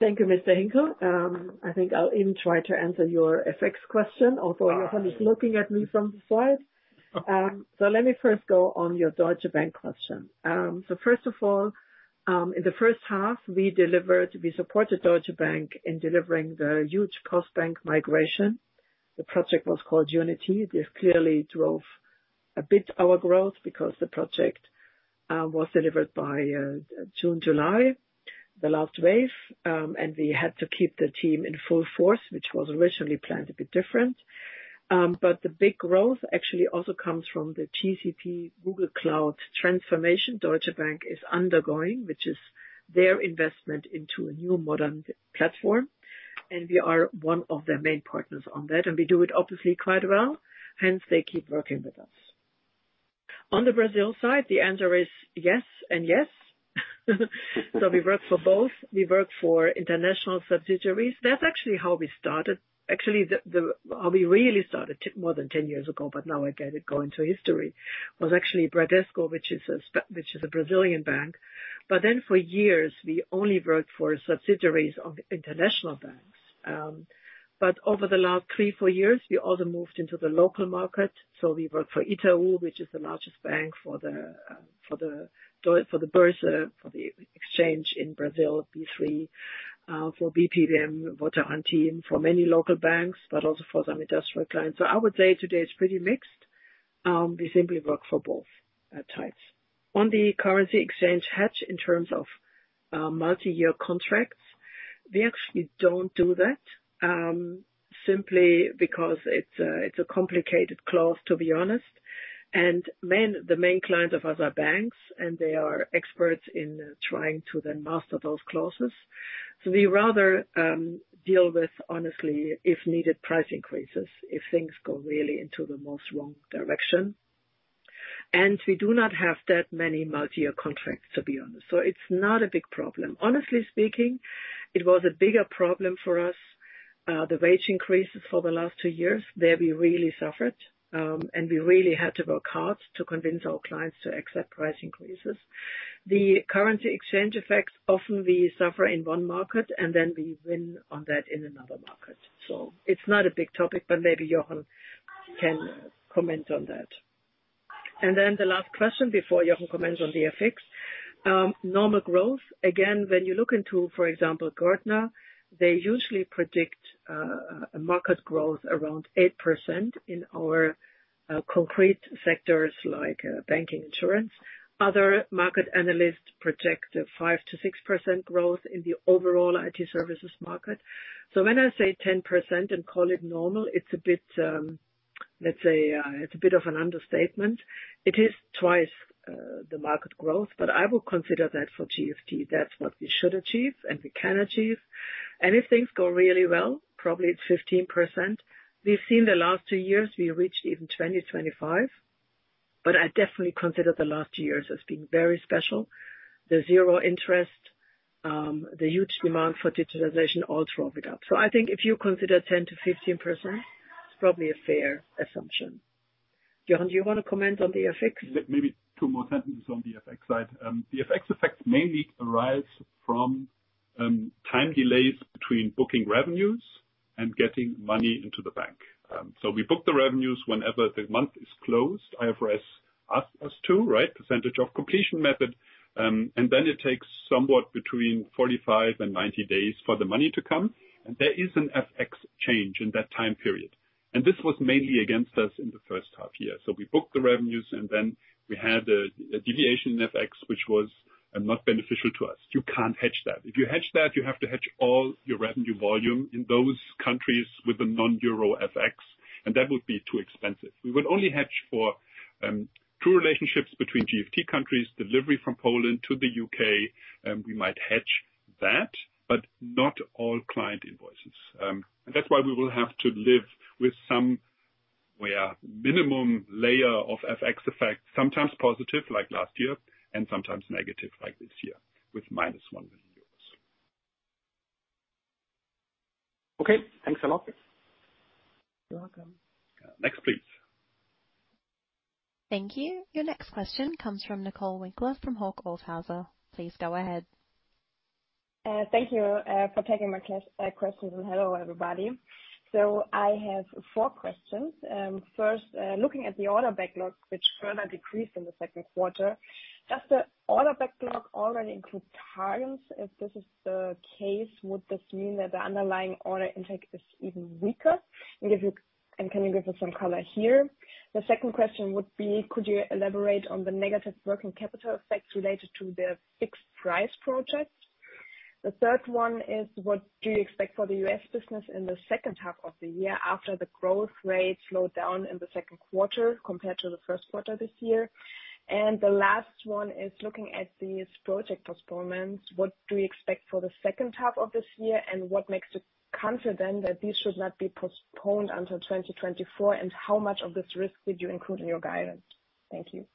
Thank you, Mr. Hinkel. I think I'll even try to answer your FX question, although. Jochen is looking at me from the side. So let me first go on your Deutsche Bank question. First of all, in the H1, we delivered, we supported Deutsche Bank in delivering the huge Postbank migration. The project was called Unity. This clearly drove a bit our growth, because the project was delivered by June, July, the last wave. We had to keep the team in full force, which was originally planned a bit different. The big growth actually also comes from the GCP Google Cloud transformation Deutsche Bank is undergoing, which is their investment into a new modern platform, and we are one of their main partners on that, and we do it obviously quite well, hence they keep working with us. On the Brazil side, the answer is yes and yes. We work for both. We work for international subsidiaries. That's actually how we started. Actually, the how we really started more than 10 years ago, but now, again, we go into history, was actually Bradesco, which is a Brazilian bank. Then for years, we only worked for subsidiaries of international banks. Over the last 3, 4 years, we also moved into the local market. We work for Itaú, which is the largest bank for the bourse, for the exchange in Brazil, B3, for BV, Votorantim, and for many local banks, but also for some industrial clients. I would say today it's pretty mixed. We simply work for both types. On the currency exchange hedge in terms of multi-year contracts, we actually don't do that, simply because it's a, it's a complicated clause, to be honest, and main, the main clients of us are banks, and they are experts in trying to then master those clauses. We rather deal with, honestly, if needed, price increases, if things go really into the most wrong direction. We do not have that many multi-year contracts, to be honest, so it's not a big problem. Honestly speaking, it was a bigger problem for us, the wage increases for the last two years. There, we really suffered, and we really had to work hard to convince our clients to accept price increases. The currency exchange effects, often we suffer in one market, and then we win on that in another market. It's not a big topic, but maybe Jochen can comment on that. Then the last question before Jochen comments on the FX. Normal growth, again, when you look into, for example, Gartner, they usually predict a market growth around 8% in our concrete sectors like banking, insurance. Other market analysts project a 5%-6% growth in the overall IT services market. When I say 10% and call it normal, it's a bit, let's say, it's a bit of an understatement. It is twice the market growth, but I would consider that for GFT. That's what we should achieve and we can achieve. If things go really well, probably it's 15%. We've seen the last two years, we reached even 20, 25, but I definitely consider the last two years as being very special. The zero interest, the huge demand for digitalization all drove it up. I think if you consider 10%-15%, it's probably a fair assumption. Jochen, do you want to comment on the FX? Maybe two more sentences on the FX side. The FX effect mainly arise from time delays between booking revenues and getting money into the bank. We book the revenues whenever the month is closed. IFRS asked us to, right? Percentage of completion method. It takes somewhat between 45 and 90 days for the money to come, and there is an FX change in that time period. This was mainly against us in the H1 year. We booked the revenues, we had a, a deviation in FX, which was not beneficial to us. You can't hedge that. If you hedge that, you have to hedge all your revenue volume in those countries with a non-euro FX, and that would be too expensive. We would only hedge for true relationships between GFT countries, delivery from Poland to the U.K., we might hedge that, but not all client invoices. That's why we will have to live with some, well, minimum layer of FX effect, sometimes positive, like last year, and sometimes negative, like this year, with -1 million euros. Okay. Thanks a lot. You're welcome. Next, please. Thank you. Your next question comes from Nicole Winkler from Hauck Aufhäuser Lampe. Please go ahead. Thank you for taking my questions. Hello, everybody. I have 4 questions. First, looking at the order backlog, which further decreased in the Q2, does the order backlog already include targens? If this is the case, would this mean that the underlying order intake is even weaker? Can you give us some color here? The 2nd question would be, could you elaborate on the negative working capital effects related to the fixed price projects? The 3rd one is, what do you expect for the U.S. business in the H2 of the year after the growth rate slowed down in the Q2 compared to the Q1 this year? The last one is looking at these project postponements, what do you expect for the H2 of this year, and what makes you confident that these should not be postponed until 2024? How much of this risk did you include in your guidance? Thank you.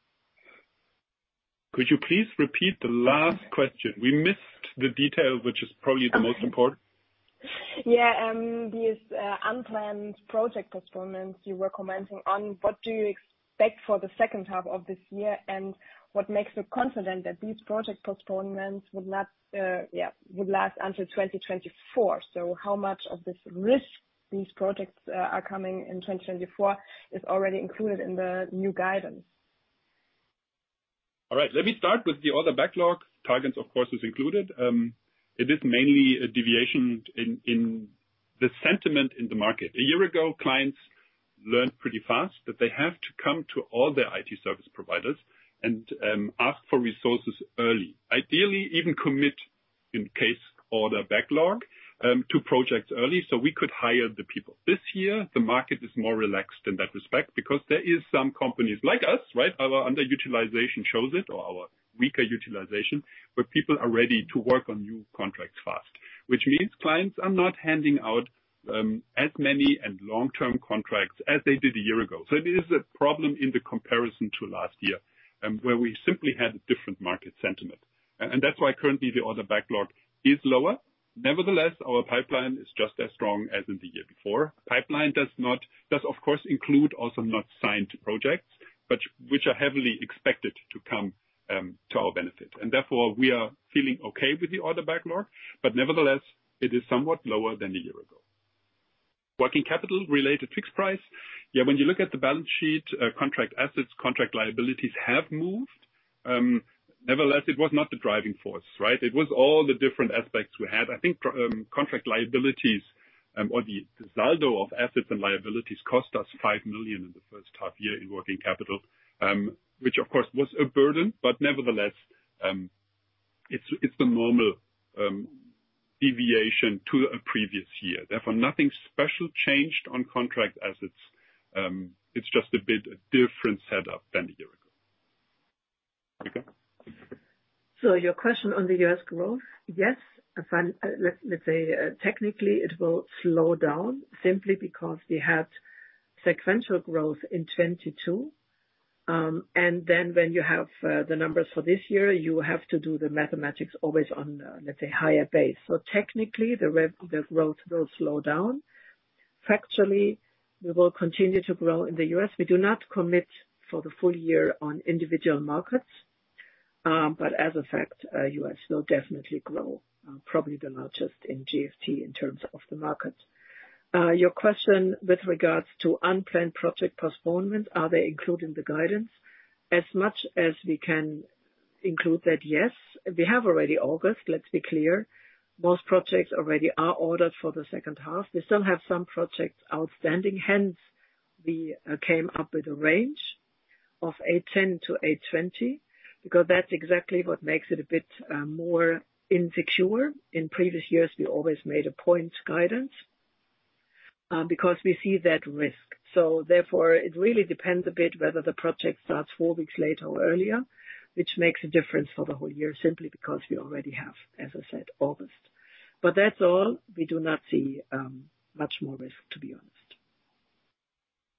Could you please repeat the last question? We missed the detail, which is probably the most important. Yeah, these unplanned project postponements you were commenting on, what do you expect for the H2 of this year, and what makes you confident that these project postponements would not, yeah, would last until 2024? How much of this risk, these projects, are coming in 2024 is already included in the new guidance? All right, let me start with the order backlog. targens, of course, is included. It is mainly a deviation in, in the sentiment in the market. A year ago, clients learned pretty fast that they have to come to all their IT service providers and ask for resources early. Ideally, even commit in case order backlog to projects early, so we could hire the people. This year, the market is more relaxed in that respect because there is some companies like us, right? Our underutilization shows it, or our weaker utilization, where people are ready to work on new contracts fast. Which means clients are not handing out as many and long-term contracts as they did a year ago. It is a problem in the comparison to last year, where we simply had a different market sentiment. That's why currently the order backlog is lower. Nevertheless, our pipeline is just as strong as in the year before. Pipeline does, of course, include also not signed projects, but which are heavily expected to come to our benefit, therefore we are feeling okay with the order backlog, but nevertheless, it is somewhat lower than a year ago. Working capital-related fixed price, yeah, when you look at the balance sheet, contract assets, contract liabilities have moved. Nevertheless, it was not the driving force, right? It was all the different aspects we had. I think contract liabilities, or the saldo of assets and liabilities cost us 5 million in the H1 year in working capital, which of course, was a burden, but nevertheless, it's, it's the normal deviation to a previous year. Therefore, nothing special changed on contract assets. It's just a bit a different setup than a year ago. Marika? Your question on the U.S. growth, yes, technically it will slow down simply because we had sequential growth in 2022. Then when you have the numbers for this year, you have to do the mathematics always on higher base. Technically, the growth will slow down. Factually, we will continue to grow in the U.S. We do not commit for the full year on individual markets, but as a fact, U.S. will definitely grow, probably the largest in GFT in terms of the market. Your question with regards to unplanned project postponement, are they included in the guidance? As much as we can include that, yes, we have already August, let's be clear. Most projects already are ordered for the H2. We still have some projects outstanding, hence we came up with a range of 810-820, because that's exactly what makes it a bit more insecure. In previous years, we always made a point guidance, because we see that risk. Therefore, it really depends a bit whether the project starts four weeks later or earlier, which makes a difference for the whole year, simply because we already have, as I said, August. That's all. We do not see much more risk, to be honest.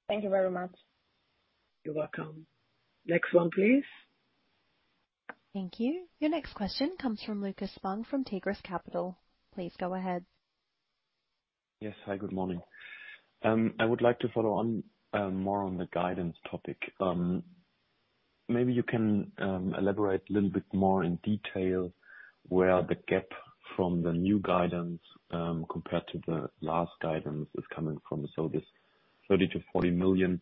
Thank you very much. You're welcome. Next one, please. Thank you. Your next question comes from Lukas Spang from Tigris Capital. Please go ahead. Yes. Hi, good morning. I would like to follow on more on the guidance topic. Maybe you can elaborate a little bit more in detail where the gap from the new guidance compared to the last guidance is coming from. This 30 million-40 million,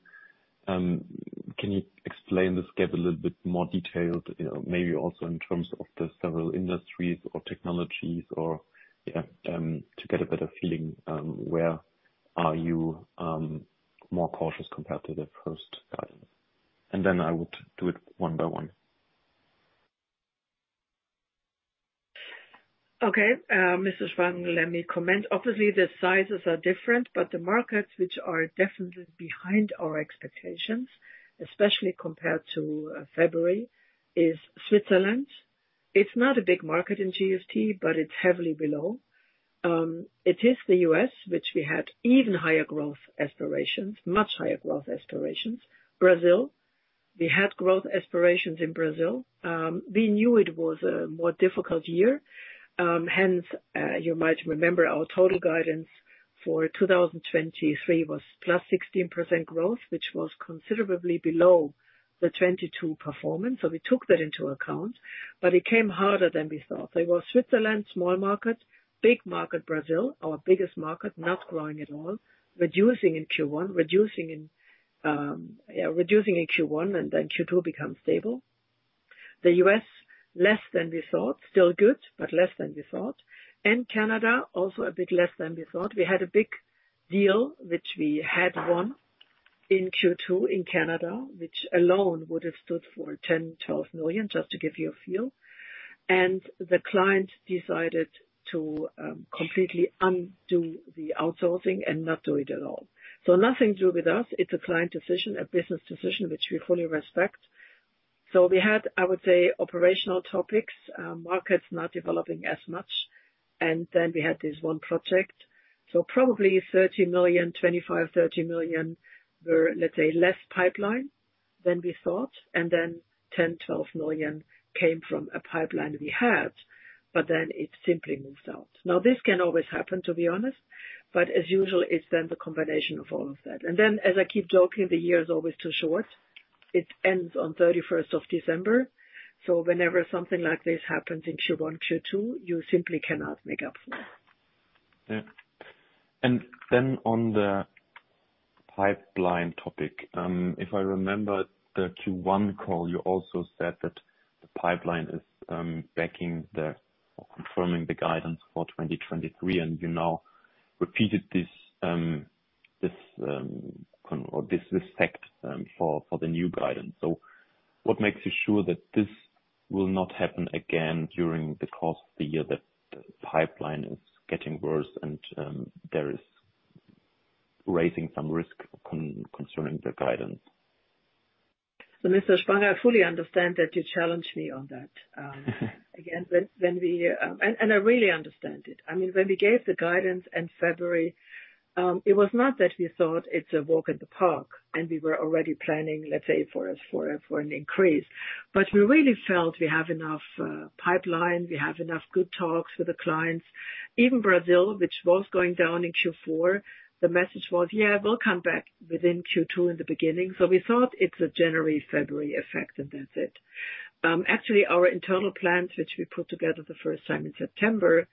can you explain this gap a little bit more detailed, you know, maybe also in terms of the several industries or technologies or, yeah, to get a better feeling, where are you more cautious compared to the first guidance? Then I would do it one by one. Okay, Mr. Spang, let me comment. Obviously, the sizes are different, the markets which are definitely behind our expectations, especially compared to February, is Switzerland. It's not a big market in GFT, but it's heavily below. It is the U.S., which we had even higher growth aspirations, much higher growth aspirations. Brazil, we had growth aspirations in Brazil. We knew it was a more difficult year, hence, you might remember our total guidance for 2023 was +16% growth, which was considerably below the 2022 performance. We took that into account, but it came harder than we thought. It was Switzerland, small market, big market, Brazil, our biggest market, not growing at all, reducing in Q1, reducing in, yeah, reducing in Q1, and then Q2 become stable. The U.S., less than we thought, still good, but less than we thought. Canada, also a bit less than we thought. We had a big deal, which we had won in Q2 in Canada, which alone would have stood for 10 million-12 million, just to give you a feel. The client decided to completely undo the outsourcing and not do it at all. Nothing to do with us, it's a client decision, a business decision, which we fully respect. We had, I would say, operational topics, markets not developing as much, and then we had this one project. Probably 30 million, 25 million-30 million were, let's say, less pipeline than we thought, and then 10 million-12 million came from a pipeline we had, but then it simply moved out. Now, this can always happen, to be honest, but as usual, it's then the combination of all of that. Then, as I keep joking, the year is always too short. It ends on 31st of December, so whenever something like this happens in Q1, Q2, you simply cannot make up for that. Yeah. On the pipeline topic, if I remember the Q1 call, you also said that the pipeline is backing the, or confirming the guidance for 2023, and you now repeated this, this fact, for the new guidance. What makes you sure that this will not happen again during the course of the year, that the pipeline is getting worse and there is raising some risk concerning the guidance? Mr. Spang, I fully understand that you challenge me on that, again, when, when we, and, and I really understand it. I mean, when we gave the guidance in February, it was not that we thought it's a walk in the park, and we were already planning, let's say, for a, for a, for an increase. We really felt we have enough pipeline, we have enough good talks with the clients. Even Brazil, which was going down in Q4, the message was: "Yeah, we'll come back within Q2 in the beginning." We thought it's a January, February effect, and that's it. Actually, our internal plans, which we put together the first time in September,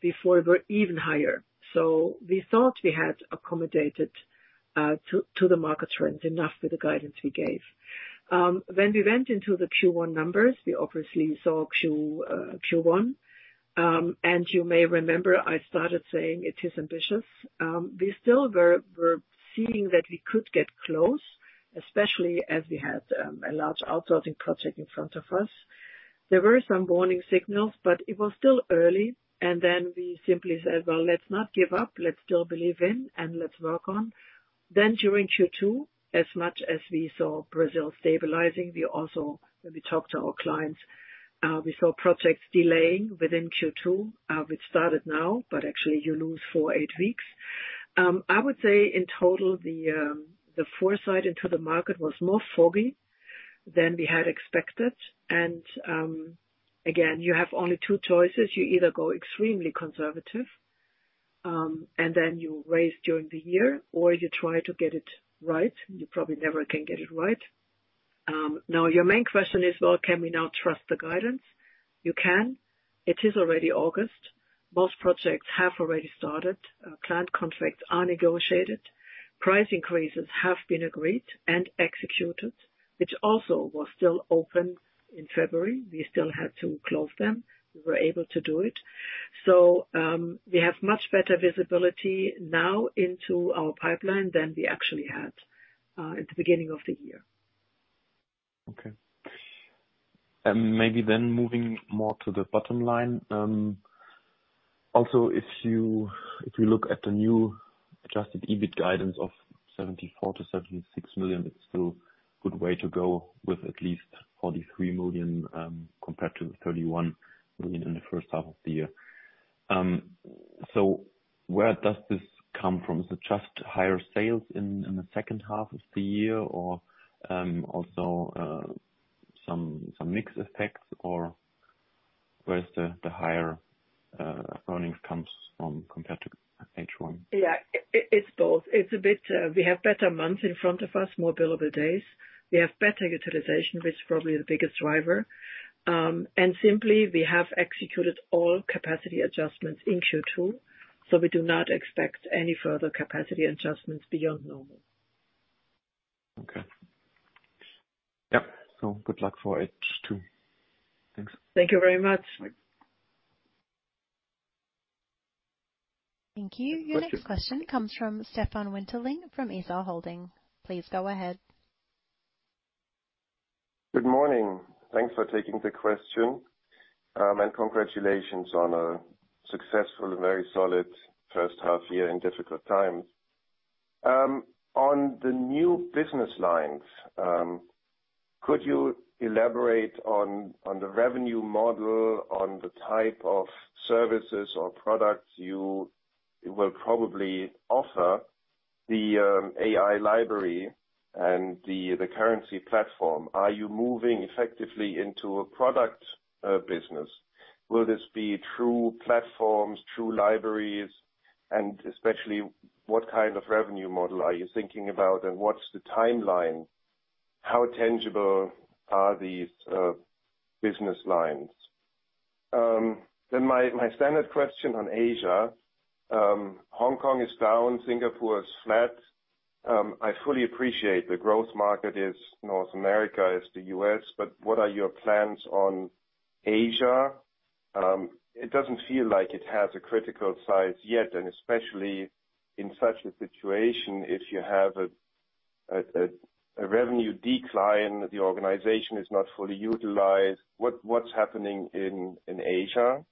before, were even higher. We thought we had accommodated to, to the market trends enough for the guidance we gave. When we went into the Q1 numbers, we obviously saw Q1, and you may remember I started saying it is ambitious. We still were, were seeing that we could get close, especially as we had a large outsourcing project in front of us. There were some warning signals, but it was still early, and then we simply said: "Well, let's not give up. Let's still believe in, and let's work on." During Q2, as much as we saw Brazil stabilizing, we also, when we talked to our clients, we saw projects delaying within Q2, which started now, but actually you lose 4-8 weeks. I would say in total, the foresight into the market was more foggy than we had expected, again, you have only two choices. You either go extremely conservative, and then you raise during the year, or you try to get it right, you probably never can get it right. Now, your main question is: Well, can we now trust the guidance? You can. It is already August. Most projects have already started. Client contracts are negotiated. Price increases have been agreed and executed, which also was still open in February. We still had to close them. We were able to do it. We have much better visibility now into our pipeline than we actually had at the beginning of the year. Maybe then moving more to the bottom line, also, if you, if you look at the new Adjusted EBIT guidance of 74 million-76 million, it's still good way to go with at least 43 million, compared to the 31 million in the H1 of the year. Where does this come from? Is it just higher sales in, in the H2 of the year, or, also, some, some mix effects, or where's the, the higher, earnings comes from compared to H1? Yeah, it, it's both. It's a bit, we have better months in front of us, more billable days. We have better utilization, which is probably the biggest driver. Simply, we have executed all capacity adjustments in Q2, so we do not expect any further capacity adjustments beyond normal. Okay. Yep, good luck for H2. Thanks. Thank you very much. Thank you. Your next question comes from Stefan Winterling, from ISAR Holding. Please go ahead. Good morning. Thanks for taking the question. Congratulations on a successful and very solid H1 year in difficult times. On the new business lines, could you elaborate on the revenue model, on the type of services or products you will probably offer, the AI library and the currency platform? Are you moving effectively into a product business? Will this be through platforms, through libraries? Especially, what kind of revenue model are you thinking about, and what's the timeline? How tangible are these business lines? My standard question on Asia. Hong Kong is down, Singapore is flat. I fully appreciate the growth market is North America, is the U.S., what are your plans on Asia? It doesn't feel like it has a critical size yet, especially in such a situation, if you have a revenue decline, the organization is not fully utilized. What, what's happening in Asia?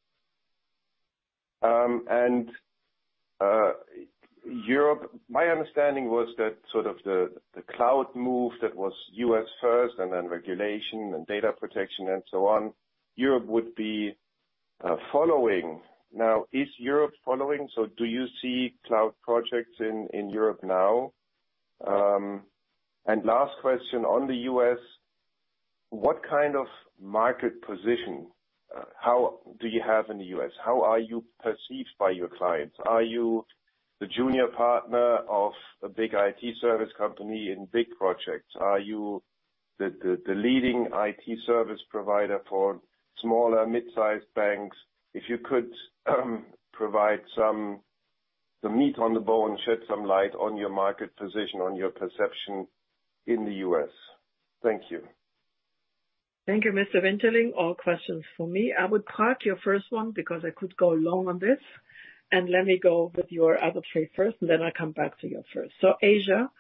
Europe, my understanding was that sort of the cloud move, that was U.S. first, and then regulation and data protection, and so on, Europe would be following. Is Europe following? Do you see cloud projects in Europe now? Last question on the U.S.: What kind of market position how do you have in the U.S.? How are you perceived by your clients? Are you the junior partner of a big IT service company in big projects? Are you the leading IT service provider for smaller, mid-sized banks? If you could, provide some, the meat on the bone, shed some light on your market position, on your perception in the U.S. Thank you. Thank you, Mr. Winterling. All questions for me. I would park your first one, because I could go long on this, and let me go with your other three first, and then I come back to your first. Asia,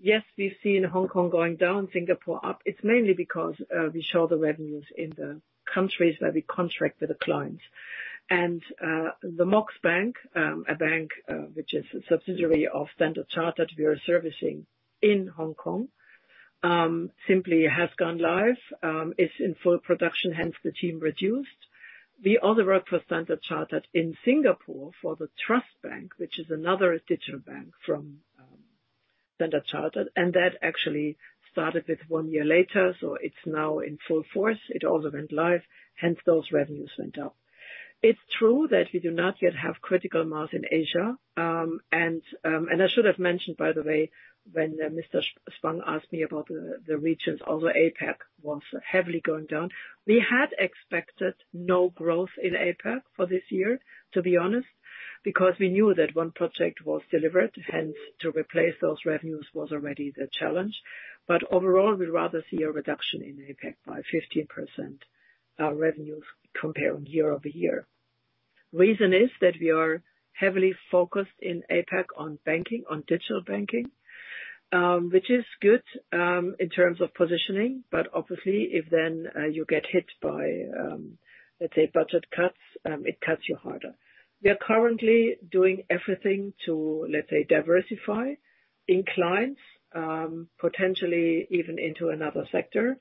yes, we've seen Hong Kong going down, Singapore up. It's mainly because we show the revenues in the countries where we contract with the clients. The Mox Bank, a bank, which is a subsidiary of Standard Chartered, we are servicing in Hong Kong, simply has gone live, is in full production, hence the team reduced. We also work for Standard Chartered in Singapore, for the Trust Bank, which is another digital bank from Standard Chartered, and that actually started with one year later, so it's now in full force. It also went live, hence those revenues went up. It's true that we do not yet have critical mass in Asia. I should have mentioned, by the way, when Mr. Spang asked me about the, the regions, although APAC was heavily going down, we had expected no growth in APAC for this year, to be honest, because we knew that one project was delivered, hence to replace those revenues was already the challenge. Overall, we rather see a reduction in APAC by 15%, revenues comparing year-over-year. Reason is that we are heavily focused in APAC on banking, on digital banking, which is good, in terms of positioning, but obviously, if then, you get hit by, let's say, budget cuts, it cuts you harder. We are currently doing everything to, let's say, diversify in clients, potentially even into another sector.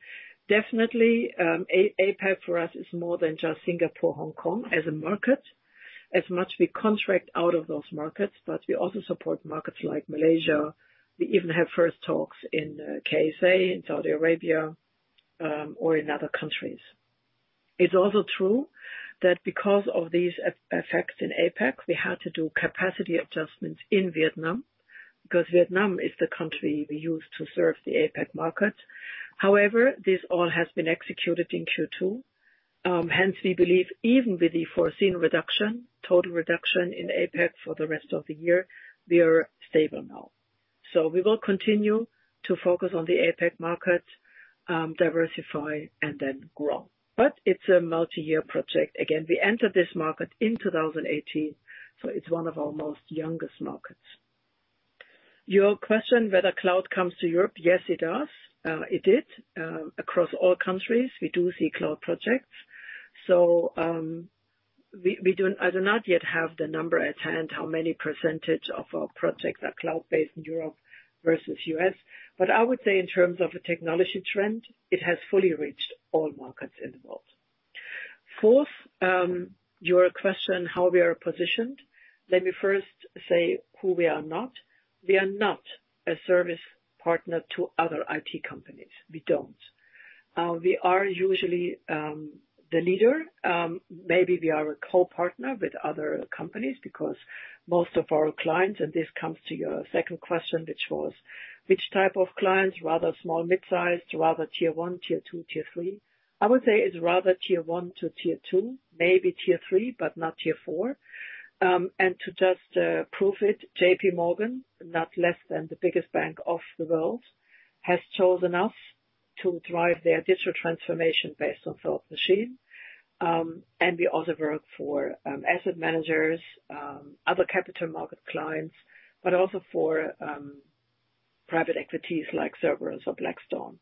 Definitely, APAC for us is more than just Singapore, Hong Kong, as a market. As much we contract out of those markets, but we also support markets like Malaysia. We even have first talks in KSA, in Saudi Arabia, or in other countries. It's also true that because of these effects in APAC, we had to do capacity adjustments in Vietnam, because Vietnam is the country we use to serve the APAC market. However, this all has been executed in Q2. Hence, we believe even with the foreseen reduction, total reduction in APAC for the rest of the year, we are stable now. We will continue to focus on the APAC market, diversify and then grow. It's a multi-year project. Again, we entered this market in 2018, so it's one of our most youngest markets. Your question whether cloud comes to Europe, yes, it does. It did. Across all countries, we do see cloud projects. I do not yet have the number at hand, how many percentage of our projects are cloud-based in Europe versus U.S., but I would say in terms of a technology trend, it has fully reached all markets in the world. Fourth, your question, how we are positioned? Let me first say who we are not. We are not a service partner to other IT companies. We don't. We are usually the leader. Maybe we are a co-partner with other companies, because most of our clients, and this comes to your second question, which was: Which type of clients, rather small, mid-sized, rather Tier 1, Tier 2, Tier 3? I would say it's rather Tier 1 to Tier 2, maybe Tier 3, but not Tier 4. To just prove it, J.P. Morgan, not less than the biggest bank of the world, has chosen us to drive their digital transformation based on Thought Machine. We also work for asset managers, other capital market clients, but also for private equities like Cerberus or Blackstone.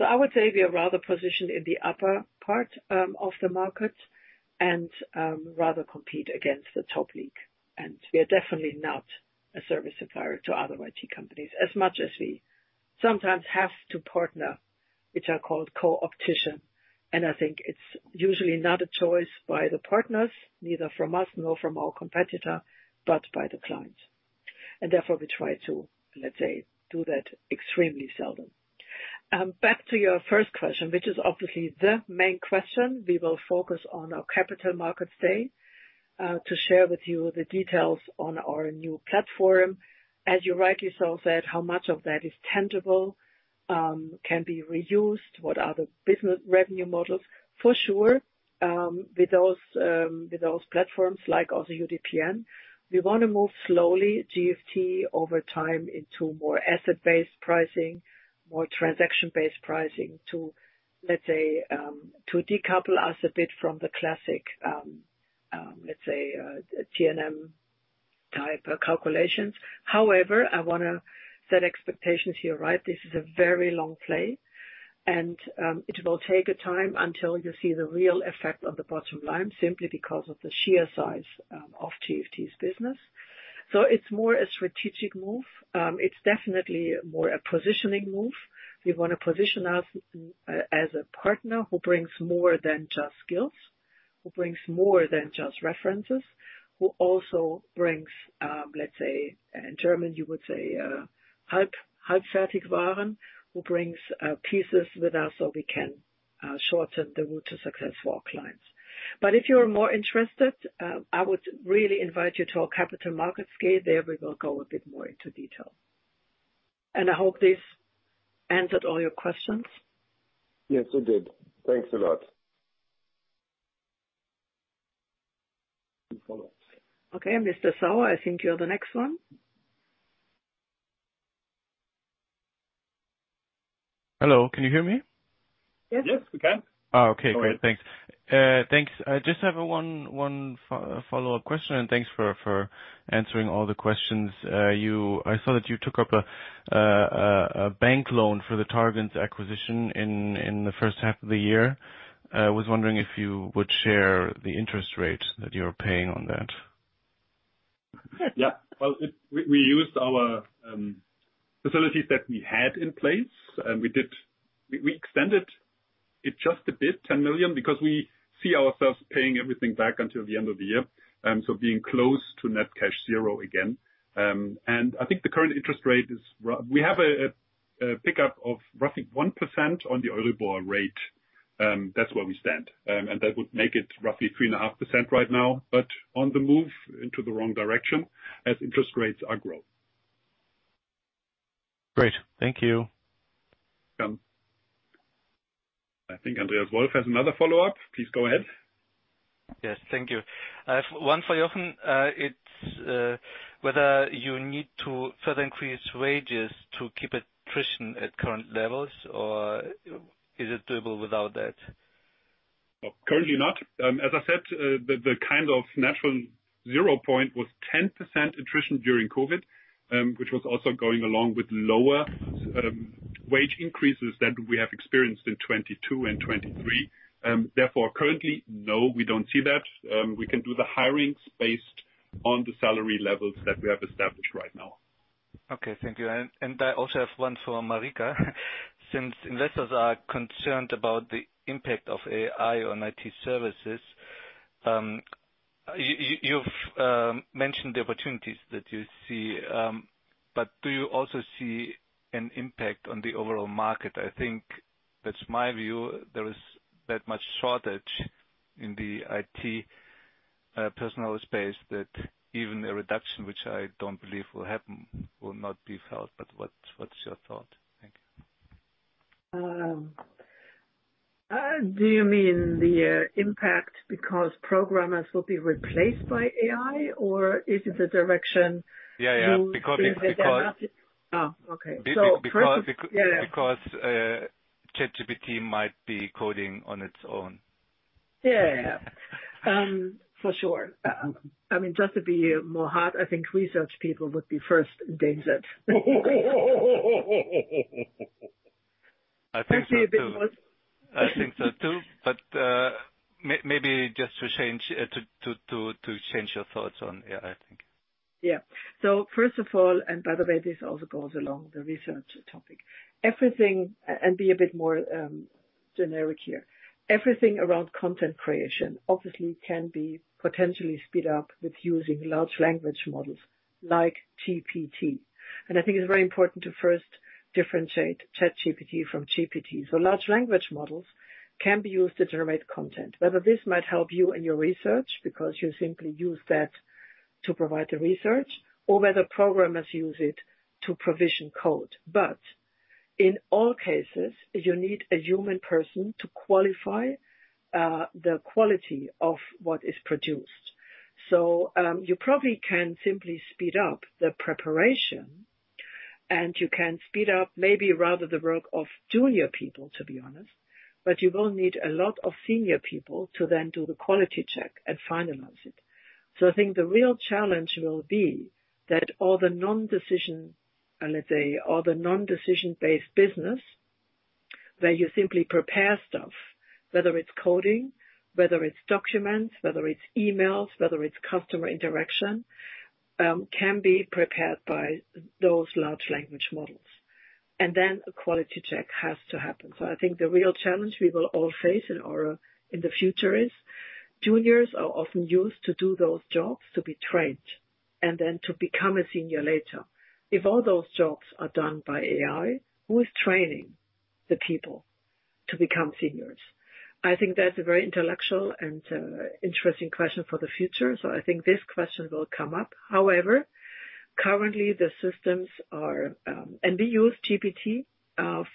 I would say we are rather positioned in the upper part of the market and rather compete against the top league. We are definitely not a service supplier to other IT companies, as much as we sometimes have to partner, which are called co-opetition. I think it's usually not a choice by the partners, neither from us nor from our competitor, but by the client. Therefore we try to, let's say, do that extremely seldom. Back to your first question, which is obviously the main question we will focus on our Capital Markets Day to share with you the details on our new platform. As you rightly so said, how much of that is tangible, can be reused? What are the business revenue models? For sure, with those platforms, like also UDPN, we want to move slowly GFT over time into more asset-based pricing, more transaction-based pricing to, let's say, to decouple us a bit from the classic, let's say, T&M type of calculations. I want to set expectations here, right? This is a very long play, and it will take a time until you see the real effect on the bottom line, simply because of the sheer size of GFT's business. It's more a strategic move. It's definitely more a positioning move. We want to position us as a partner who brings more than just skills, who brings more than just references, who also brings, let's say, in German, you would say, who brings pieces with us so we can shorten the route to success for our clients. If you are more interested, I would really invite you to our Capital Markets Day. There, we will go a bit more into detail. I hope this answered all your questions. Yes, it did. Thanks a lot. Okay, [Mr. Sauer], I think you're the next one. Hello, can you hear me? Yes. Yes, we can. Oh, okay. Great. Thanks. Thanks. I just have a one follow-up question, and thanks for, for answering all the questions. You I saw that you took up a bank loan for the Targens acquisition in the H1 of the year. I was wondering if you would share the interest rate that you're paying on that? Yeah. Well, it. We, we used our facilities that we had in place, and we extended it just a bit, 10 million, because we see ourselves paying everything back until the end of the year, so being close to net cash zero again. I think the current interest rate is rough. We have a pickup of roughly 1% on the Euribor rate. That's where we stand. That would make it roughly 3.5% right now, but on the move into the wrong direction as interest rates are growing. Great. Thank you. I think Andreas Wolf has another follow-up. Please go ahead. Yes, thank you. I have one for Jochen. It's whether you need to further increase wages to keep attrition at current levels, or is it doable without that? Currently not. As I said, the kind of natural zero point was 10% attrition during COVID, which was also going along with lower wage increases than we have experienced in 2022 and 2023. Therefore, currently, no, we don't see that. We can do the hirings based on the salary levels that we have established right now. Okay, thank you. I also have one for Marika. Since investors are concerned about the impact of AI on IT services, you, you, you've mentioned the opportunities that you see, but do you also see an impact on the overall market? I think that's my view. There is that much shortage in the IT personnel space that even a reduction, which I don't believe will happen, will not be felt. What's, what's your thought? Thank you. Do you mean the impact because programmers will be replaced by AI, or is it the direction? Yeah, yeah. you think that there might be- Because. Oh, okay. Because. Yeah, yeah... ChatGPT might be coding on its own. Yeah, yeah. For sure. I mean, just to be more hot, I think research people would be first in danger. I think so, too. Actually, a bit more... I think so, too, but maybe just to change your thoughts on AI, I think. Yeah. First of all, and by the way, this also goes along the research topic. Everything and be a bit more generic here. Everything around content creation obviously can be potentially sped up with using large language models like GPT. I think it's very important to first differentiate ChatGPT from GPT. Large language models can be used to generate content, whether this might help you in your research, because you simply use that to provide the research, or whether programmers use it to provision code. In all cases, you need a human person to qualify the quality of what is produced. You probably can simply speed up the preparation, and you can speed up maybe rather the work of junior people, to be honest, but you will need a lot of senior people to then do the quality check and finalize it. I think the real challenge will be that all the non-decision, let's say, all the non-decision based business, where you simply prepare stuff, whether it's coding, whether it's documents, whether it's emails, whether it's customer interaction, can be prepared by those large language models, and then a quality check has to happen. I think the real challenge we will all face in the future is juniors are often used to do those jobs, to be trained, and then to become a senior later. If all those jobs are done by AI, who is training the people to become seniors? I think that's a very intellectual and interesting question for the future. I think this question will come up. However, currently, the systems are. We use GPT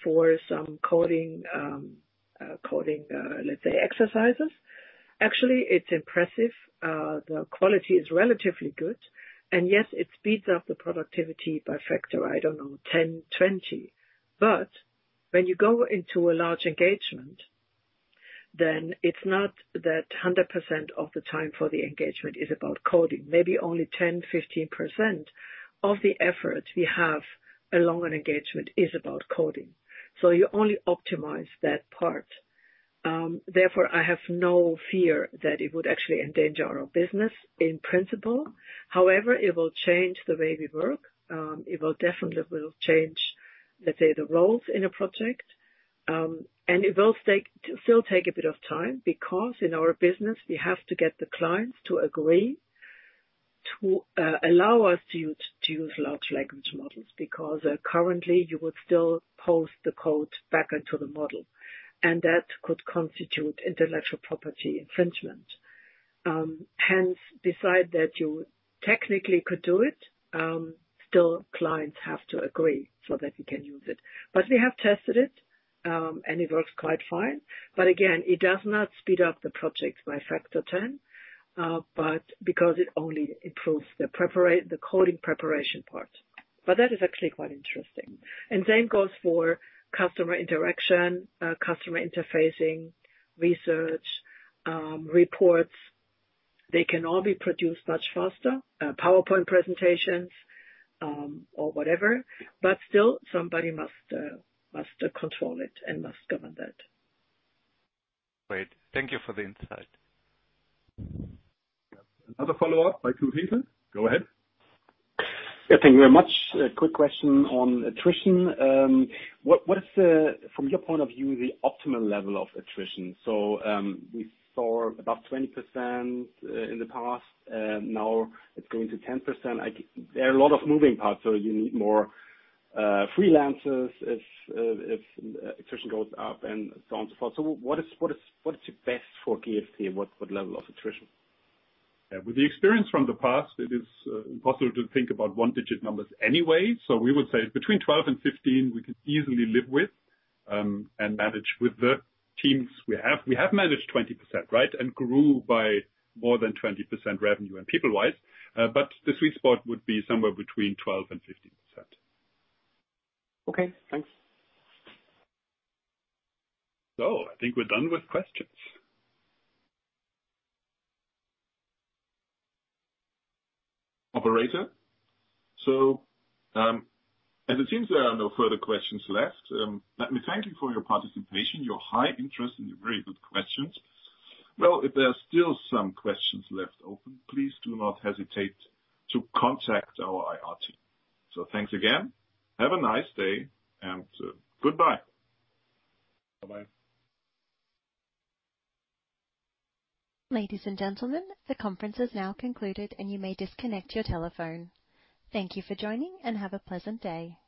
for some coding, coding, let's say, exercises. Actually, it's impressive. The quality is relatively good, and yes, it speeds up the productivity by factor, I don't know, 10, 20. When you go into a large engagement, then it's not that 100% of the time for the engagement is about coding. Maybe only 10%, 15% of the effort we have along an engagement is about coding. You only optimize that part. Therefore, I have no fear that it would actually endanger our business in principle. However, it will change the way we work. It will definitely will change, let's say, the roles in a project. It will take, still take a bit of time, because in our business, we have to get the clients to agree to allow us to use large language models, because currently, you would still post the code back into the model, and that could constitute intellectual property infringement. Hence, beside that, you technically could do it, still, clients have to agree so that you can use it. We have tested it, and it works quite fine. Again, it does not speed up the projects by factor 10, but because it only improves the coding preparation part. That is actually quite interesting. Same goes for customer interaction, customer interfacing, research, reports. They can all be produced much faster, PowerPoint presentations, or whatever, but still, somebody must control it and must govern that. Great. Thank you for the insight. Another follow-up by Knud Hinkel. Go ahead. Thank you very much. A quick question on attrition. What, what is the, from your point of view, the optimal level of attrition? We saw about 20% in the past, now it's going to 10%. There are a lot of moving parts, so you need more freelancers if attrition goes up and so on and so forth. What is, what is, what is the best for GFT? What, what level of attrition? Yeah, with the experience from the past, it is impossible to think about one-digit numbers anyway. We would say between 12 and 15, we could easily live with and manage with the teams we have. We have managed 20%, right? Grew by more than 20% revenue and people-wise. The sweet spot would be somewhere between 12 and 15%. Okay, thanks. I think we're done with questions. Operator? As it seems, there are no further questions left. Let me thank you for your participation, your high interest, and your very good questions. Well, if there are still some questions left open, please do not hesitate to contact our IR team. Thanks again. Have a nice day, and goodbye. Bye-bye. Ladies and gentlemen, the conference is now concluded, and you may disconnect your telephone. Thank you for joining, and have a pleasant day. Goodbye.